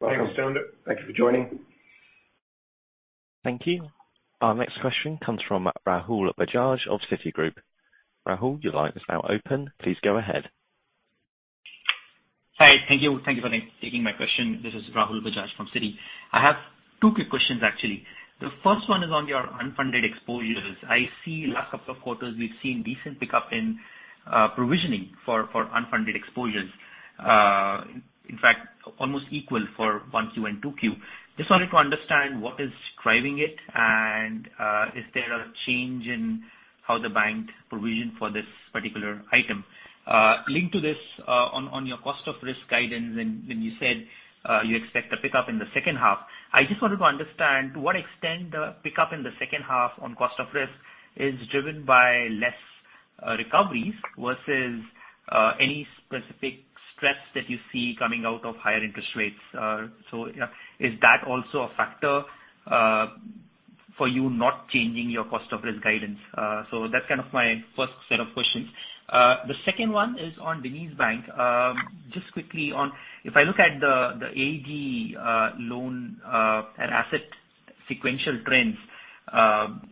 Welcome. Thanks, Chander. Thank you for joining. Thank you. Our next question comes from Rahul Bajaj of Citigroup. Rahul, your line is now open. Please go ahead. Hi, thank you. Thank you for taking my question. This is Rahul Bajaj from Citi. I have two quick questions, actually. The first one is on your unfunded exposures. I see last couple of quarters, we've seen decent pickup in provisioning for unfunded exposures. In fact, almost equal for 1Q and 2Q. Just wanted to understand what is driving it, and is there a change in how the bank provisioned for this particular item? Linked to this, on your cost of risk guidance, and when you said, you expect a pickup in the second half, I just wanted to understand to what extent the pickup in the second half on cost of risk is driven by less recoveries versus any specific stress that you see coming out of higher interest rates. You know, is that also a factor for you not changing your cost of risk guidance? That's kind of my first set of questions. The second one is on DenizBank. Just quickly on, if I look at the Ag loan and asset sequential trends,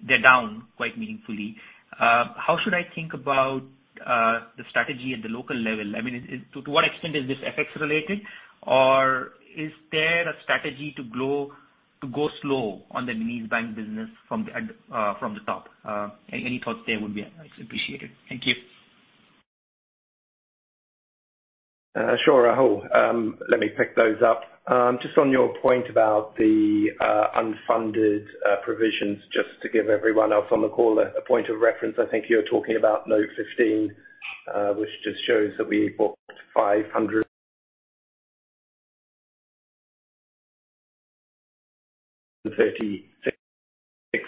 they're down quite meaningfully. How should I think about the strategy at the local level? I mean, to what extent is this FX related, or is there a strategy to go slow on the DenizBank business from the from the top? Any thoughts there would be appreciated. Thank you. Sure, Rahul. Let me pick those up. Just on your point about the unfunded provisions, just to give everyone else on the call a point of reference, I think you're talking about note 15, which just shows that we booked 536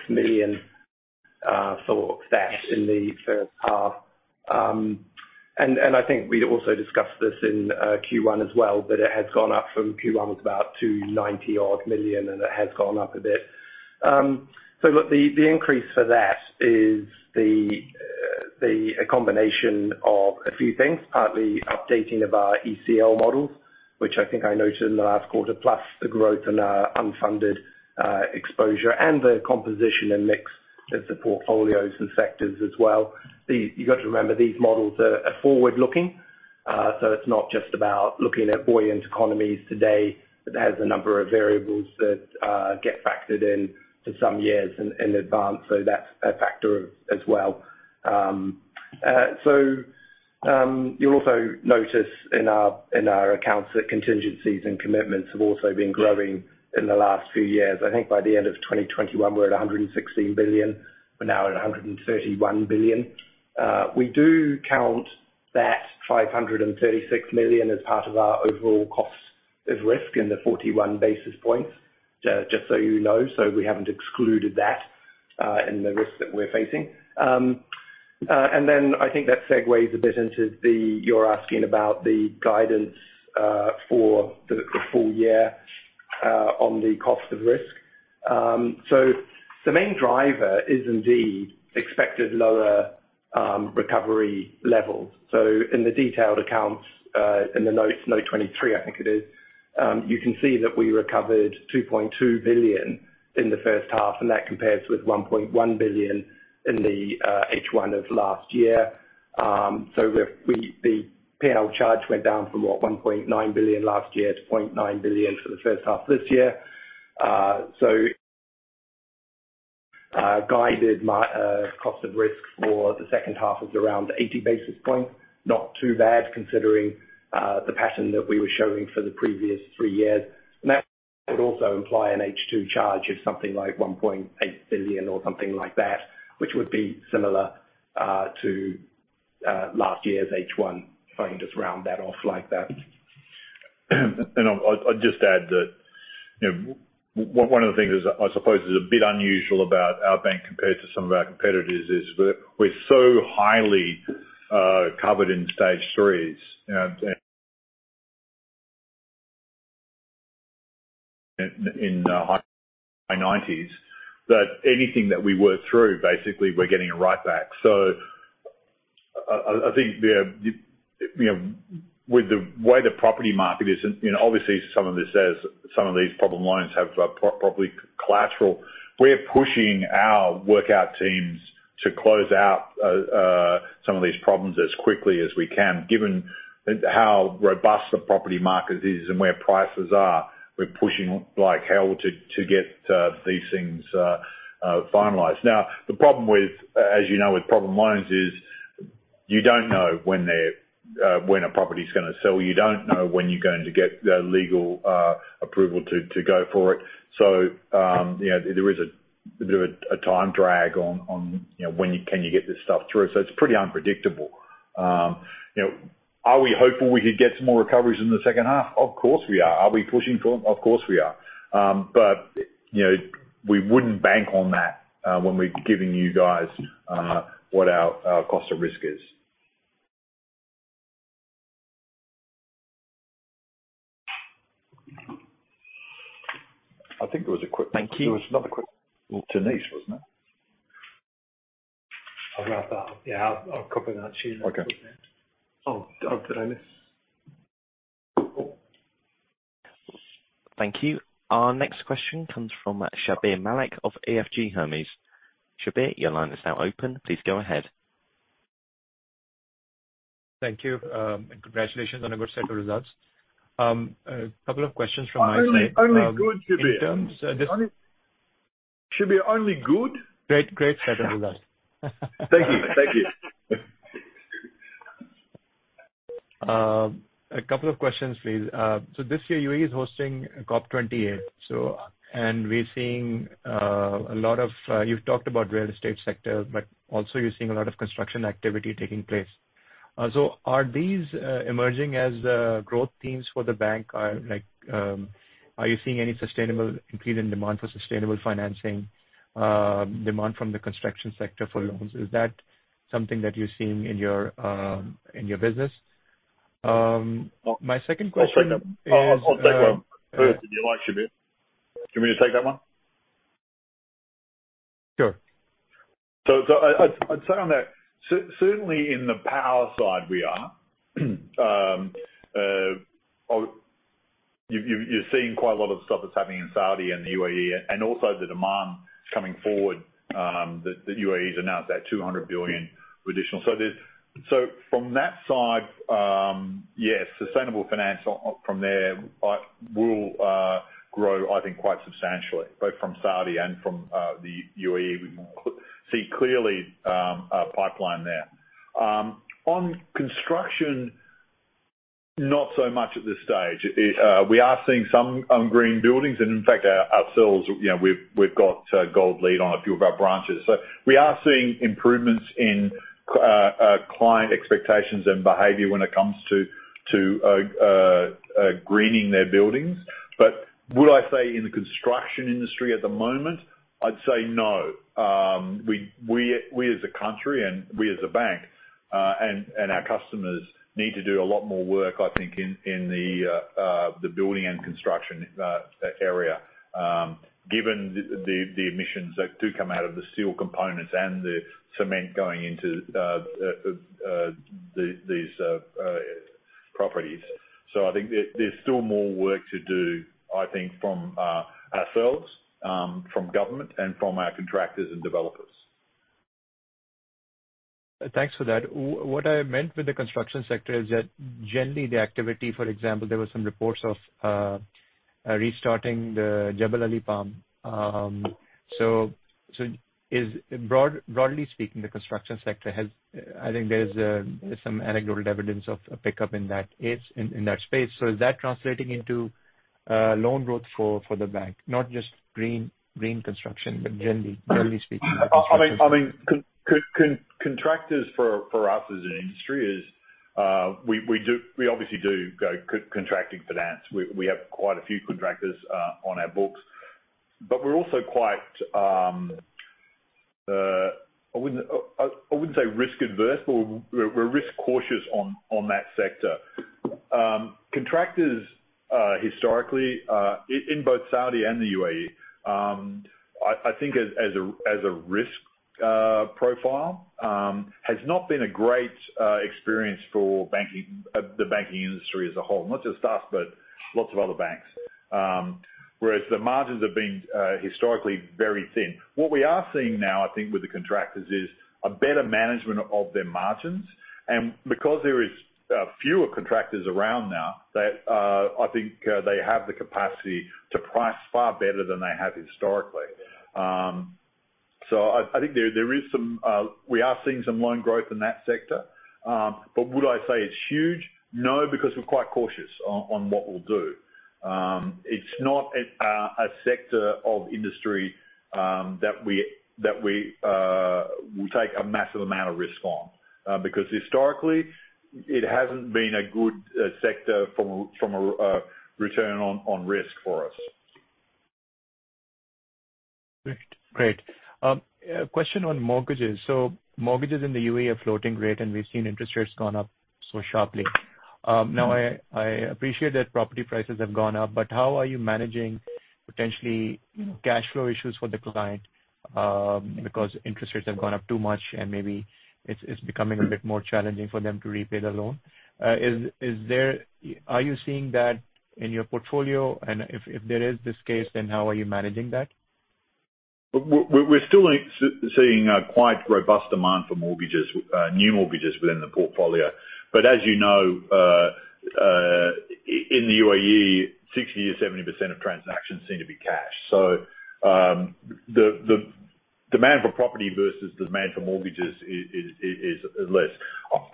million for that in the first half. I think we also discussed this in Q1 as well, but it has gone up from Q1 was about 290 odd million, and it has gone up a bit. Look, the increase for that is a combination of a few things, partly updating of our ECL models, which I think I noted in the last quarter, plus the growth in our unfunded exposure and the composition and mix of the portfolios and sectors as well. These... You've got to remember, these models are forward-looking. It's not just about looking at buoyant economies today, but it has a number of variables that get factored in to some years in advance. That's a factor as well. You'll also notice in our accounts that contingencies and commitments have also been growing in the last few years. I think by the end of 2021, we're at 116 billion. We're now at 131 billion. We do count that 536 million as part of our overall cost of risk in the 41 basis points, just so you know, we haven't excluded that in the risk that we're facing. I think that segues a bit into the... You're asking about the guidance for the full year on the cost of risk. The main driver is indeed expected lower recovery levels. In the detailed accounts, in the notes, note 23, I think it is, you can see that we recovered 2.2 billion in the first half, and that compares with 1.1 billion in the H1 of last year. The P&L charge went down from, what? 1.9 billion last year to 0.9 billion for the first half this year. Guided my cost of risk for the second half was around 80 basis points. Not too bad, considering the pattern that we were showing for the previous 3 years. That would also imply an H2 charge of something like 1.8 billion or something like that, which would be similar to last year's H1, if I can just round that off like that. I'll just add that, you know, one of the things that I suppose is a bit unusual about our bank compared to some of our competitors, is we're so highly covered in Stage 3s and in high 90s, that anything that we work through, basically we're getting it right back. I, I think the, you know, with the way the property market is, and, you know, obviously some of this is, some of these problem loans have property collateral. We're pushing our workout teams to close out some of these problems as quickly as we can. Given how robust the property market is and where prices are, we're pushing like hell to get these things finalized. The problem with, as you know, with problem loans is you don't know when a property is going to sell. You don't know when you're going to get the legal approval to go for it. You know, there is a time drag on, you know, when can you get this stuff through? It's pretty unpredictable. You know, are we hopeful we could get some more recoveries in the second half? Of course, we are. Are we pushing for them? Of course, we are. You know, we wouldn't bank on that when we're giving you guys what our cost of risk is. I think there was a quick- Thank you. There was another quick... Deniz, wasn't it? I'll grab that. Yeah, I'll copy that to you. Okay. Did I miss? Thank you. Our next question comes from Shabbir Malik of EFG Hermes. Shabbir, your line is now open. Please go ahead. Thank you, and congratulations on a good set of results. A couple of questions from my side. Only good, Shabbir. Should be only good. Great, great set of results. Thank you. Thank you. A couple of questions, please. This year, U.A.E. is hosting COP28. We're seeing a lot of, you've talked about real estate sector, but also you're seeing a lot of construction activity taking place. Are these, emerging as growth themes for the bank? Or like, are you seeing any sustainable increase in demand for sustainable financing, demand from the construction sector for loans? Is that something that you're seeing in your, in your business? My second question is, I'll take that. I'll take that first, if you like, Shabbir. Do you want me to take that one? Sure. I'd say on that, certainly in the power side, we are. You're seeing quite a lot of stuff that's happening in Saudi and the U.A.E., and also the demand coming forward, that U.A.E. has announced that 200 billion additional. From that side, yes, sustainable finance from there, will grow, I think, quite substantially, both from Saudi and from the U.A.E. We can see clearly a pipeline there. On construction, not so much at this stage. It, we are seeing some green buildings, and in fact, ourselves, you know, we've got a Gold LEED on a few of our branches. We are seeing improvements in client expectations and behavior when it comes to greening their buildings. Would I say in the construction industry at the moment? I'd say no. We as a country and we as a bank and our customers need to do a lot more work, I think, in the building and construction area, given the emissions that do come out of the steel components and the cement going into these properties. I think there's still more work to do, I think, from ourselves, from government and from our contractors and developers. Thanks for that. What I meant with the construction sector is that generally the activity, for example, there was some reports of restarting the Jebel Ali Palm. Broadly speaking, the construction sector has, I think there is some anecdotal evidence of a pickup in that space. Is that translating into loan growth for the bank, not just green construction, but generally speaking? I mean, contractors for us as an industry is, we obviously do go contracting finance. We have quite a few contractors on our books, but we're also quite, I wouldn't say risk-averse, but we're risk cautious on that sector. Contractors historically in both Saudi and the U.A.E., I think as a risk profile, has not been a great experience for banking, the banking industry as a whole. Not just us, but lots of other banks. Whereas the margins have been historically very thin. What we are seeing now, I think, with the contractors, is a better management of their margins. Because there is fewer contractors around now, they I think they have the capacity to price far better than they have historically. I think there is some we are seeing some loan growth in that sector. Would I say it's huge? No, because we're quite cautious on what we'll do. It's not a sector of industry that we, that we will take a massive amount of risk on, because historically it hasn't been a good sector from a return on risk for us. Great. Great. A question on mortgages. Mortgages in the U.A.E. are floating rate, and we've seen interest rates gone up so sharply. Now, I appreciate that property prices have gone up, but how are you managing potentially, you know, cash flow issues for the client, because interest rates have gone up too much and maybe it's becoming a bit more challenging for them to repay the loan? Are you seeing that in your portfolio? If there is this case, then how are you managing that? We're still seeing quite robust demand for mortgages, new mortgages within the portfolio. As you know, in the U.A.E., 60%-70% of transactions seem to be cash. The demand for property versus demand for mortgages is less.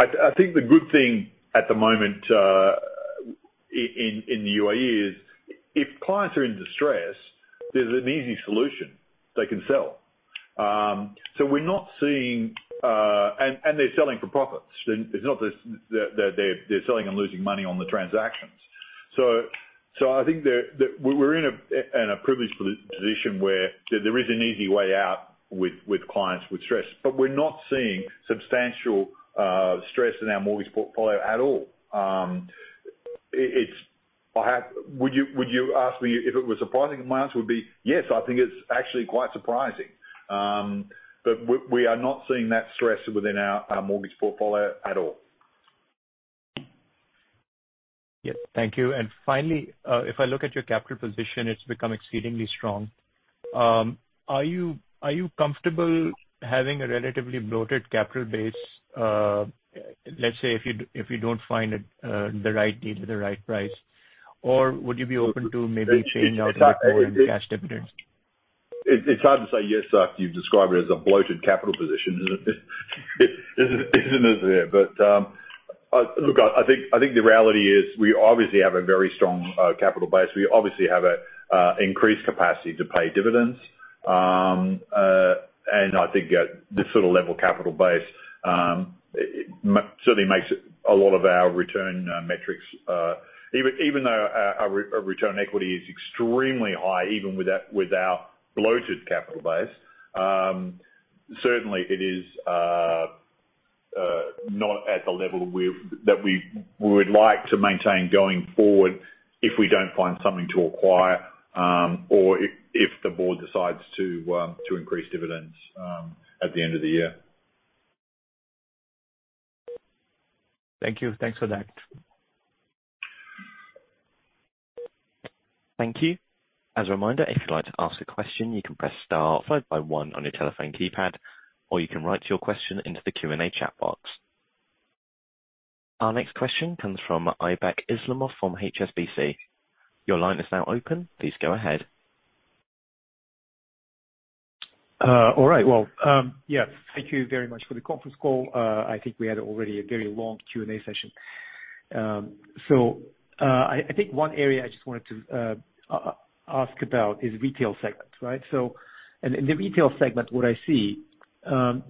I think the good thing at the moment in the U.A.E. is if clients are in distress, there's an easy solution: they can sell. We're not seeing. And they're selling for profits. It's not that they're selling and losing money on the transactions. I think that we're in a privileged position where there is an easy way out with clients with stress. We're not seeing substantial stress in our mortgage portfolio at all. Would you ask me if it was surprising? My answer would be yes, I think it's actually quite surprising. We are not seeing that stress within our mortgage portfolio at all. Yep. Thank you. Finally, if I look at your capital position, it's become exceedingly strong. Are you comfortable having a relatively bloated capital base, let's say if you don't find it, the right deal with the right price, or would you be open to maybe changing out cash dividends? It's hard to say yes, after you've described it as a bloated capital position, isn't it there? Look, I think the reality is we obviously have a very strong capital base. We obviously have a increased capacity to pay dividends. I think at this sort of level, capital base, it certainly makes a lot of our return metrics, even though our return on equity is extremely high, even with that, with our bloated capital base, certainly it is not at the level that we would like to maintain going forward, if we don't find something to acquire, or if the board decides to increase dividends at the end of the year. Thank you. Thanks for that. Thank you. As a reminder, if you'd like to ask a question, you can press star followed by one on your telephone keypad, or you can write your question into the Q&A chat box. Our next question comes from Aybek Islamov from HSBC. Your line is now open. Please go ahead. All right, well, yeah, thank you very much for the conference call. I think we had already a very long Q&A session. I think one area I just wanted to ask about is retail segment, right? And in the retail segment, what I see,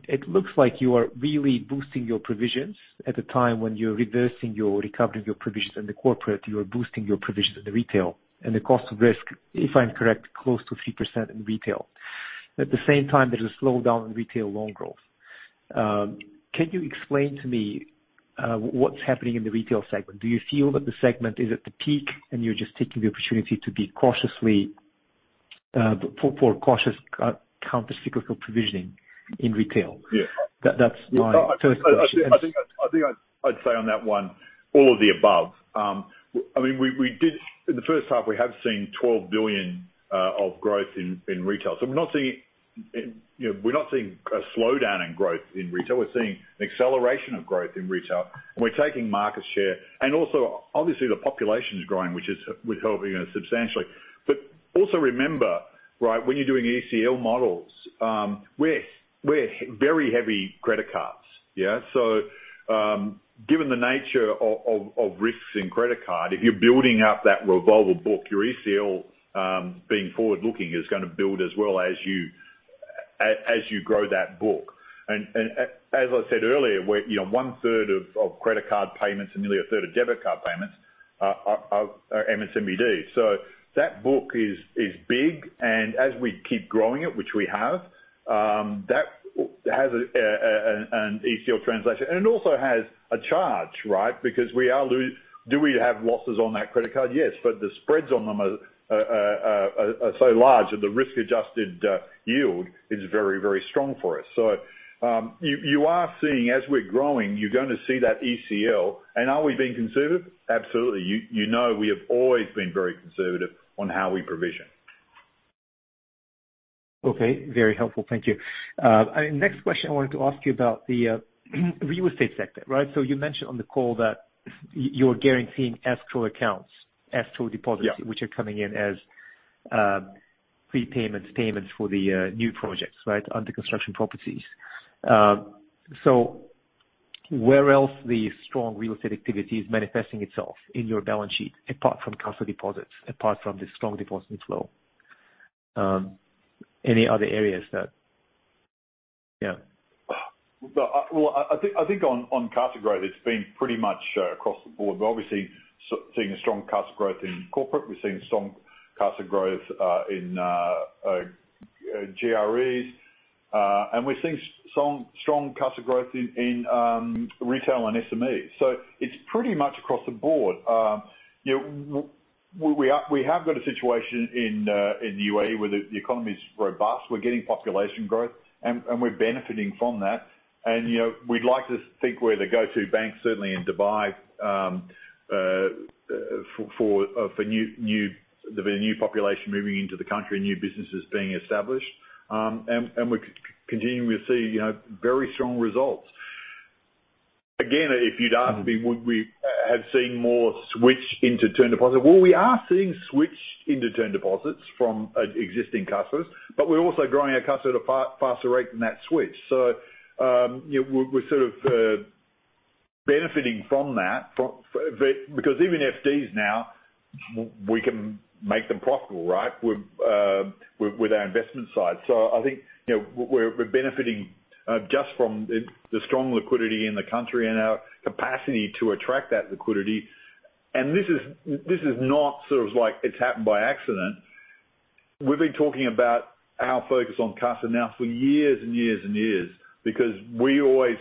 it looks like you are really boosting your provisions at the time when you're reversing your recovering your provisions in the corporate, you are boosting your provisions in the retail and the cost of risk, if I'm correct, close to 3% in retail. At the same time, there's a slowdown in retail loan growth. Can you explain to me what's happening in the retail segment? Do you feel that the segment is at the peak, and you're just taking the opportunity to be cautiously for cautious countercyclical provisioning in retail? Yeah. That's my first question. I think I'd say on that one, all of the above. I mean, we did. In the first half, we have seen 12 billion of growth in retail. we're not seeing, you know, we're not seeing a slowdown in growth in retail. We're seeing an acceleration of growth in retail, and we're taking market share. also, obviously, the population is growing, which is helping us substantially. also remember, right, when you're doing ECL models, we're very heavy credit cards, yeah? given the nature of risks in credit card, if you're building up that revolver book, your ECL, being forward-looking, is gonna build as well as you grow that book. As I said earlier, we're, you know, 1/3 of credit card payments and nearly 1/3 of debit card payments are ENBD. That book is big, and as we keep growing it, which we have, that has an ECL translation. It also has a charge, right? Because we have losses on that credit card? Yes, but the spreads on them are so large that the risk-adjusted yield is very, very strong for us. You are seeing, as we're growing, you're going to see that ECL. Are we being conservative? Absolutely. You know, we have always been very conservative on how we provision. Okay. Very helpful. Thank you. Next question, I wanted to ask you about the real estate sector, right? You mentioned on the call that you're guaranteeing escrow accounts, escrow deposits- Yeah which are coming in as, prepayments, payments for the new projects, right? Under construction properties. Where else the strong real estate activity is manifesting itself in your balance sheet, apart from CASA deposits, apart from the strong deposits flow? Any other areas that? Yeah. Well, I think, on CASA growth, it's been pretty much across the board. We're obviously seeing a strong CASA growth in corporate. We're seeing strong CASA growth in GRE. We're seeing strong CASA growth in retail and SME. You know, we have got a situation in U.A.E., where the economy is robust. We're getting population growth, and we're benefiting from that. You know, we'd like to think we're the go-to bank, certainly in Dubai, for new, the new population moving into the country, new businesses being established. We're continuing to see, you know, very strong results. Again, if you'd ask me, would we have seen more switch into term deposits? Well, we are seeing switch into term deposits from existing customers, we're also growing our customer at a faster rate than that switch. you know, we're sort of benefiting from that, from because even FDs now, we can make them profitable, right? With our investment side. I think, you know, we're benefiting just from the strong liquidity in the country and our capacity to attract that liquidity. this is not sort of like, it's happened by accident. We've been talking about our focus on CASA now for years and years and years, because we always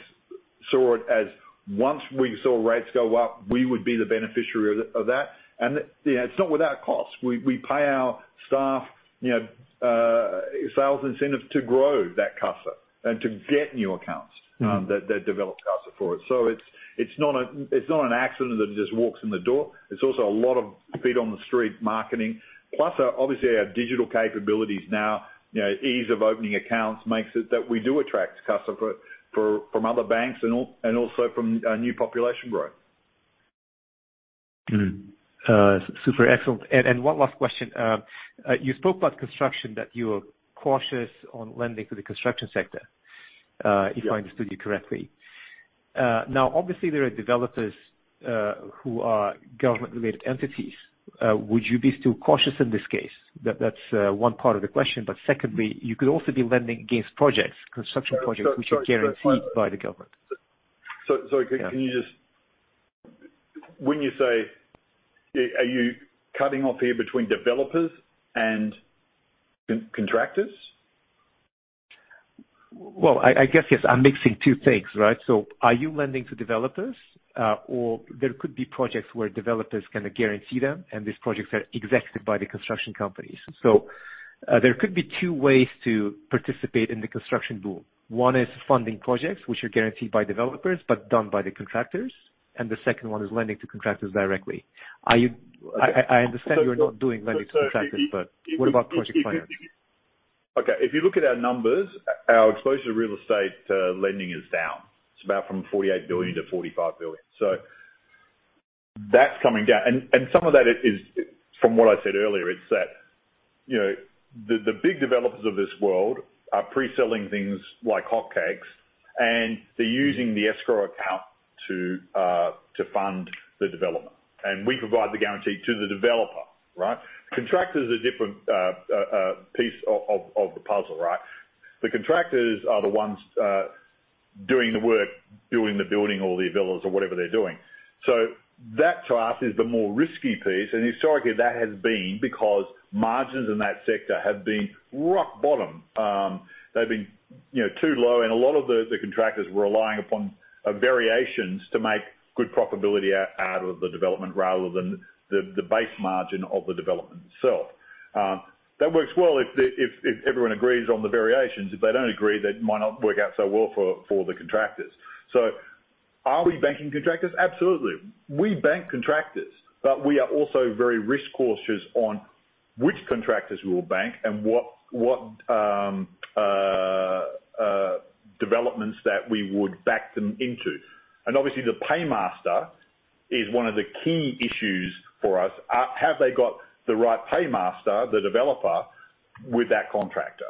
saw it as, once we saw rates go up, we would be the beneficiary of that. you know, it's not without cost. We pay our staff, you know, sales incentive to grow that CASA and to get new accounts. Mm-hmm. that develop CASA for it. It's, it's not a, it's not an accident that it just walks in the door. It's also a lot of feet on the street marketing, plus obviously, our digital capabilities now, you know, ease of opening accounts makes it, that we do attract CASA from other banks and also from new population growth. Mm-hmm. Super excellent. One last question? You spoke about construction, that you are cautious on lending to the construction sector. Yeah... if I understood you correctly. Now, obviously there are developers, who are Government-related entities. Would you be still cautious in this case? That's, one part of the question, but secondly, you could also be lending against projects, construction projects, which are guaranteed by the government. Can you when you say, are you cutting off here between developers and contractors? Well, I guess, yes, I'm mixing two things, right? Are you lending to developers, or there could be projects where developers can guarantee them, and these projects are executed by the construction companies? There could be two ways to participate in the construction boom. One is funding projects, which are guaranteed by developers, but done by the contractors, and the second one is lending to contractors directly. I understand you're not doing lending to contractors, but what about project finance? Okay. If you look at our numbers, our exposure to real estate lending is down. It's about from 48 billion-45 billion. That's coming down. Some of that is from what I said earlier, it's that, you know, the big developers of this world are pre-selling things like hotcakes, and they're using the escrow account to fund the development. We provide the guarantee to the developer, right? Contractor is a different piece of the puzzle, right? The contractors are the ones doing the work, doing the building or the villas or whatever they're doing. That to us is the more risky piece, and historically, that has been because margins in that sector have been rock bottom. They've been, you know, too low, and a lot of the contractors were relying upon variations to make good profitability out of the development rather than the base margin of the development itself. That works well if everyone agrees on the variations. If they don't agree, that might not work out so well for the contractors. Are we banking contractors? Absolutely. We bank contractors, but we are also very risk cautious on which contractors we will bank and what developments that we would back them into. Obviously, the paymaster is one of the key issues for us. Have they got the right paymaster, the developer, with that contractor?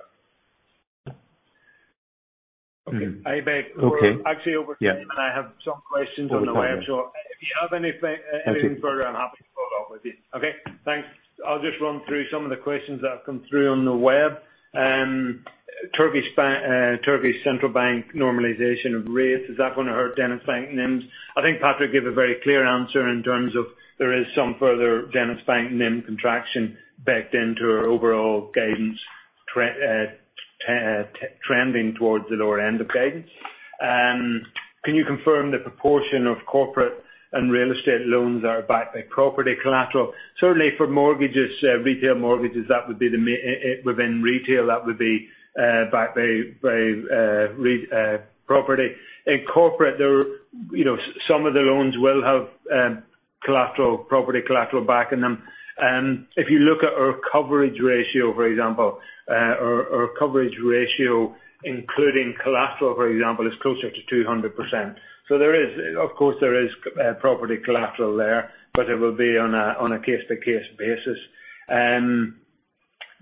Okay. Okay. Aybek, we're actually over time. Yeah and I have some questions on the web. If you have anything further, I'm happy to follow up with you. Okay, thanks. I'll just run through some of the questions that have come through on the web. Turkish Central Bank normalization of rates, is that going to hurt DenizBank NIMs? I think Patrick gave a very clear answer in terms of there is some further DenizBank NIM contraction backed into our overall guidance trending towards the lower end of guidance. Can you confirm the proportion of corporate and real estate loans are backed by property collateral? Certainly for mortgages, retail mortgages, that would be the within retail, that would be backed by property. In corporate, there, you know, some of the loans will have collateral, property collateral backing them. If you look at our coverage ratio, for example, our coverage ratio, including collateral, for example, is closer to 200%. So there is. Of course, there is property collateral there, but it will be on a case-to-case basis.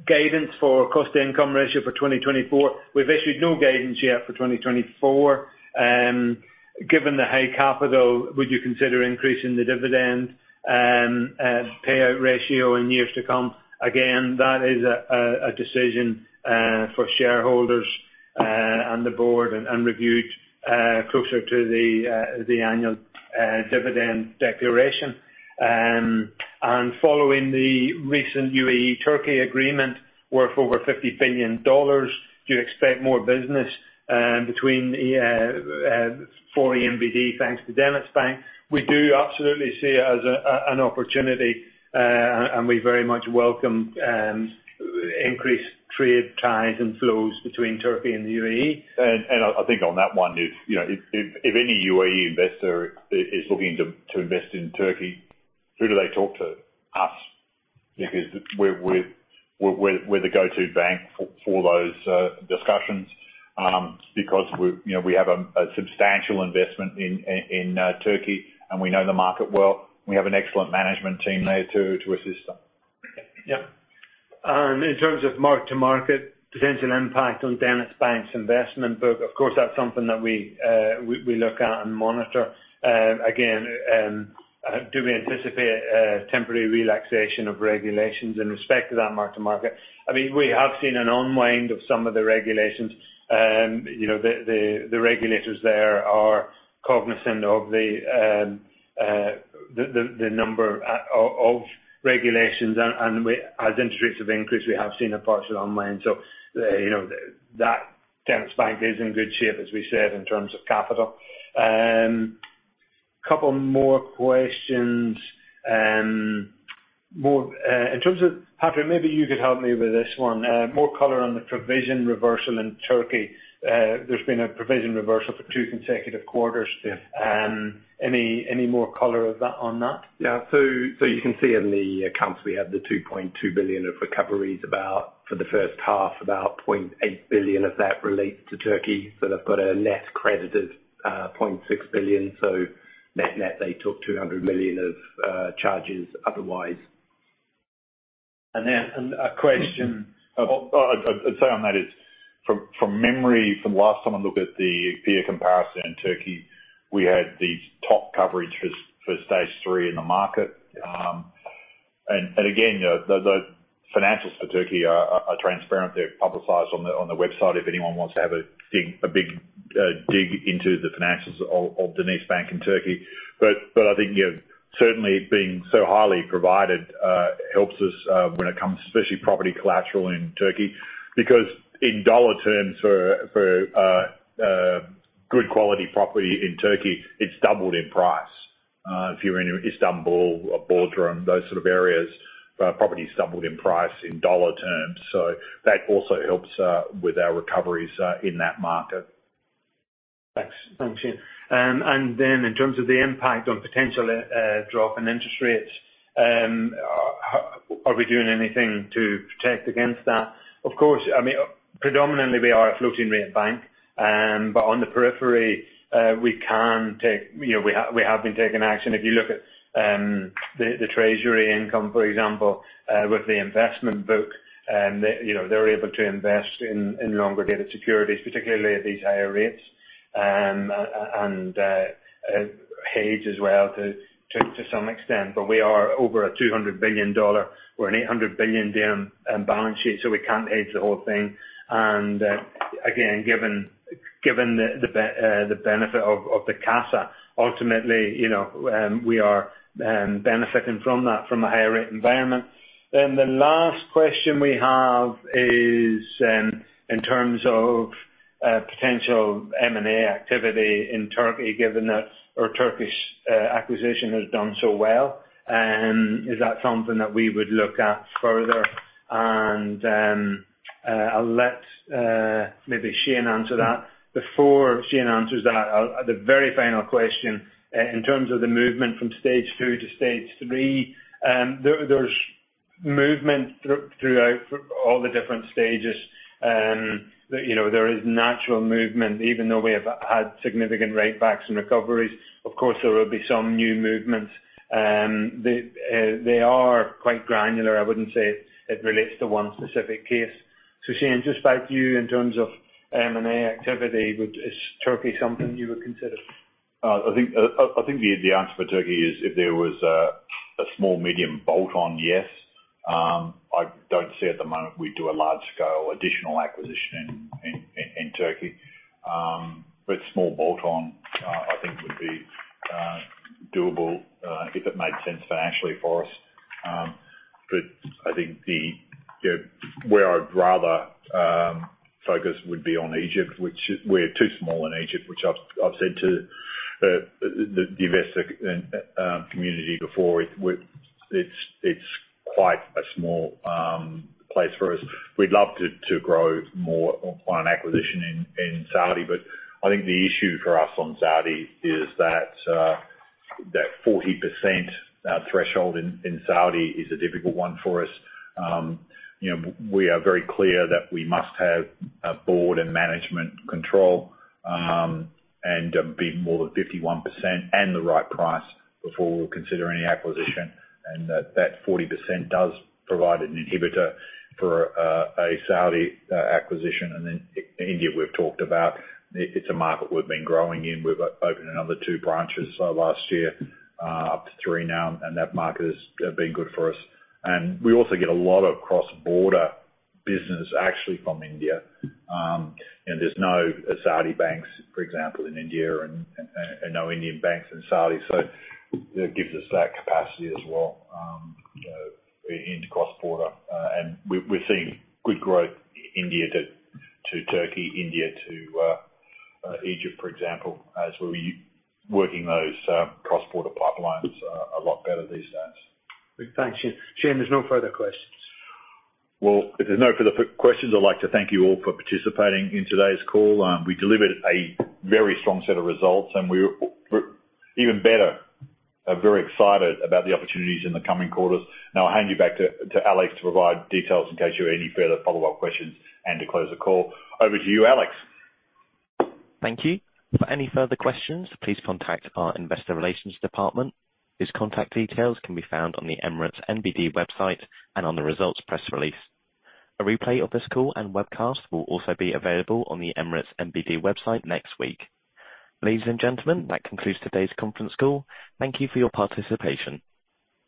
Guidance for cost-to-income ratio for 2024. We've issued no guidance yet for 2024. Given the high capital, would you consider increasing the dividend payout ratio in years to come? Again, that is a decision for shareholders and the board, and reviewed closer to the annual dividend declaration. Following the recent U.A.E.-Turkey agreement, worth over $50 billion, do you expect more business between for ENBD, thanks to DenizBank? We do absolutely see it as an opportunity, and we very much welcome increased trade ties and flows between Turkey and the U.A.E. I think on that one, if, you know, if any U.A.E. investor is looking to invest in Turkey, who do they talk to? Us. Because we're the go-to bank for those discussions, because we, you know, we have a substantial investment in Turkey, and we know the market well. We have an excellent management team there to assist them. Yeah. In terms of mark-to-market, potential impact on DenizBank's investment book, of course, that's something that we look at and monitor. Again, do we anticipate a temporary relaxation of regulations in respect to that mark-to-market? I mean, we have seen an unwind of some of the regulations, you know, the regulators there are cognizant of the number of regulations, and as interest rates have increased, we have seen a partial unwind. You know, that DenizBank is in good shape, as we said, in terms of capital. Couple more questions. In terms of, Patrick, maybe you could help me with this one. More color on the provision reversal in Turkey. There's been a provision reversal for two consecutive quarters. Yes. Any more color of that, on that? Yeah. You can see in the accounts, we have the $2.2 billion of recoveries about for the first half, about $0.8 billion of that relates to Turkey. They've got a net credit of $0.6 billion. Net/net, they took $200 million of charges otherwise. ... And then, and a question- I'd say on that is, from memory, from the last time I looked at the peer comparison in Turkey, we had the top coverage for Stage 3 in the market. Again, you know, the financials for Turkey are transparent. They're publicized on the website if anyone wants to have a dig into the financials of DenizBank in Turkey. I think, you know, certainly being so highly provided helps us when it comes to especially property collateral in Turkey, because in dollar terms for good quality property in Turkey, it's doubled in price. If you're in Istanbul or Bodrum, those sort of areas, property's doubled in price in dollar terms, so that also helps with our recoveries in that market. Thanks. Thanks, Shayne. And then in terms of the impact on potential, drop in interest rates, are we doing anything to protect against that? Of course, I mean, predominantly, we are a floating rate bank, but on the periphery, we can take... You know, we have been taking action. If you look at, the treasury income, for example, with the investment book, they, you know, they're able to invest in longer-dated securities, particularly at these higher rates. Hedge as well to some extent. We are over a AED 200 billion. We're an 800 billion balance sheet, so we can't hedge the whole thing. Again, given the benefit of the CASA, ultimately, you know, we are benefiting from that, from a higher rate environment. The last question we have is in terms of potential M&A activity in Turkey, given that our Turkish acquisition has done so well, is that something that we would look at further? I'll let maybe Shayne answer that. Before Shayne answers that, the very final question in terms of the movement from Stage 2 to Stage 3, there's movement throughout all the different stages. You know, there is natural movement, even though we have had significant write-backs and recoveries. Of course, there will be some new movements. The, they are quite granular. I wouldn't say it relates to one specific case. Shayne, just back to you in terms of M&A activity, Is Turkey something you would consider? I think the answer for Turkey is, if there was a small, medium bolt-on, yes. I don't see at the moment we'd do a large-scale additional acquisition in Turkey. Small bolt-on, I think would be doable, if it made sense financially for us. I think the, you know, where I'd rather focus would be on Egypt, which is, we're too small in Egypt, which I've said to the investor community before. It's quite a small place for us. We'd love to grow more on acquisition in Saudi, but I think the issue for us on Saudi is that that 40% threshold in Saudi is a difficult one for us. you know, we are very clear that we must have a board and management control, and be more than 51%, and the right price before we'll consider any acquisition, and that 40% does provide an inhibitor for a Saudi acquisition. India, we've talked about. It's a market we've been growing in. We've opened another two branches last year up to three now, and that market has been good for us. We also get a lot of cross-border business actually from India. There's no Saudi banks, for example, in India and no Indian banks in Saudi, so that gives us that capacity as well into cross-border. We're seeing good growth, India to Turkey, India to Egypt, for example, as we're working those cross-border pipelines a lot better these days. Thanks, Shayne. Shayne, there's no further questions. Well, if there's no further questions, I'd like to thank you all for participating in today's call. We delivered a very strong set of results, and even better, are very excited about the opportunities in the coming quarters. I'll hand you back to Alex, to provide details in case you have any further follow-up questions, and to close the call. Over to you, Alex. Thank you. For any further questions, please contact our Investor Relations department. These contact details can be found on the Emirates NBD website and on the results press release. A replay of this call and webcast will also be available on the Emirates NBD website next week. Ladies and gentlemen, that concludes today's conference call. Thank you for your participation.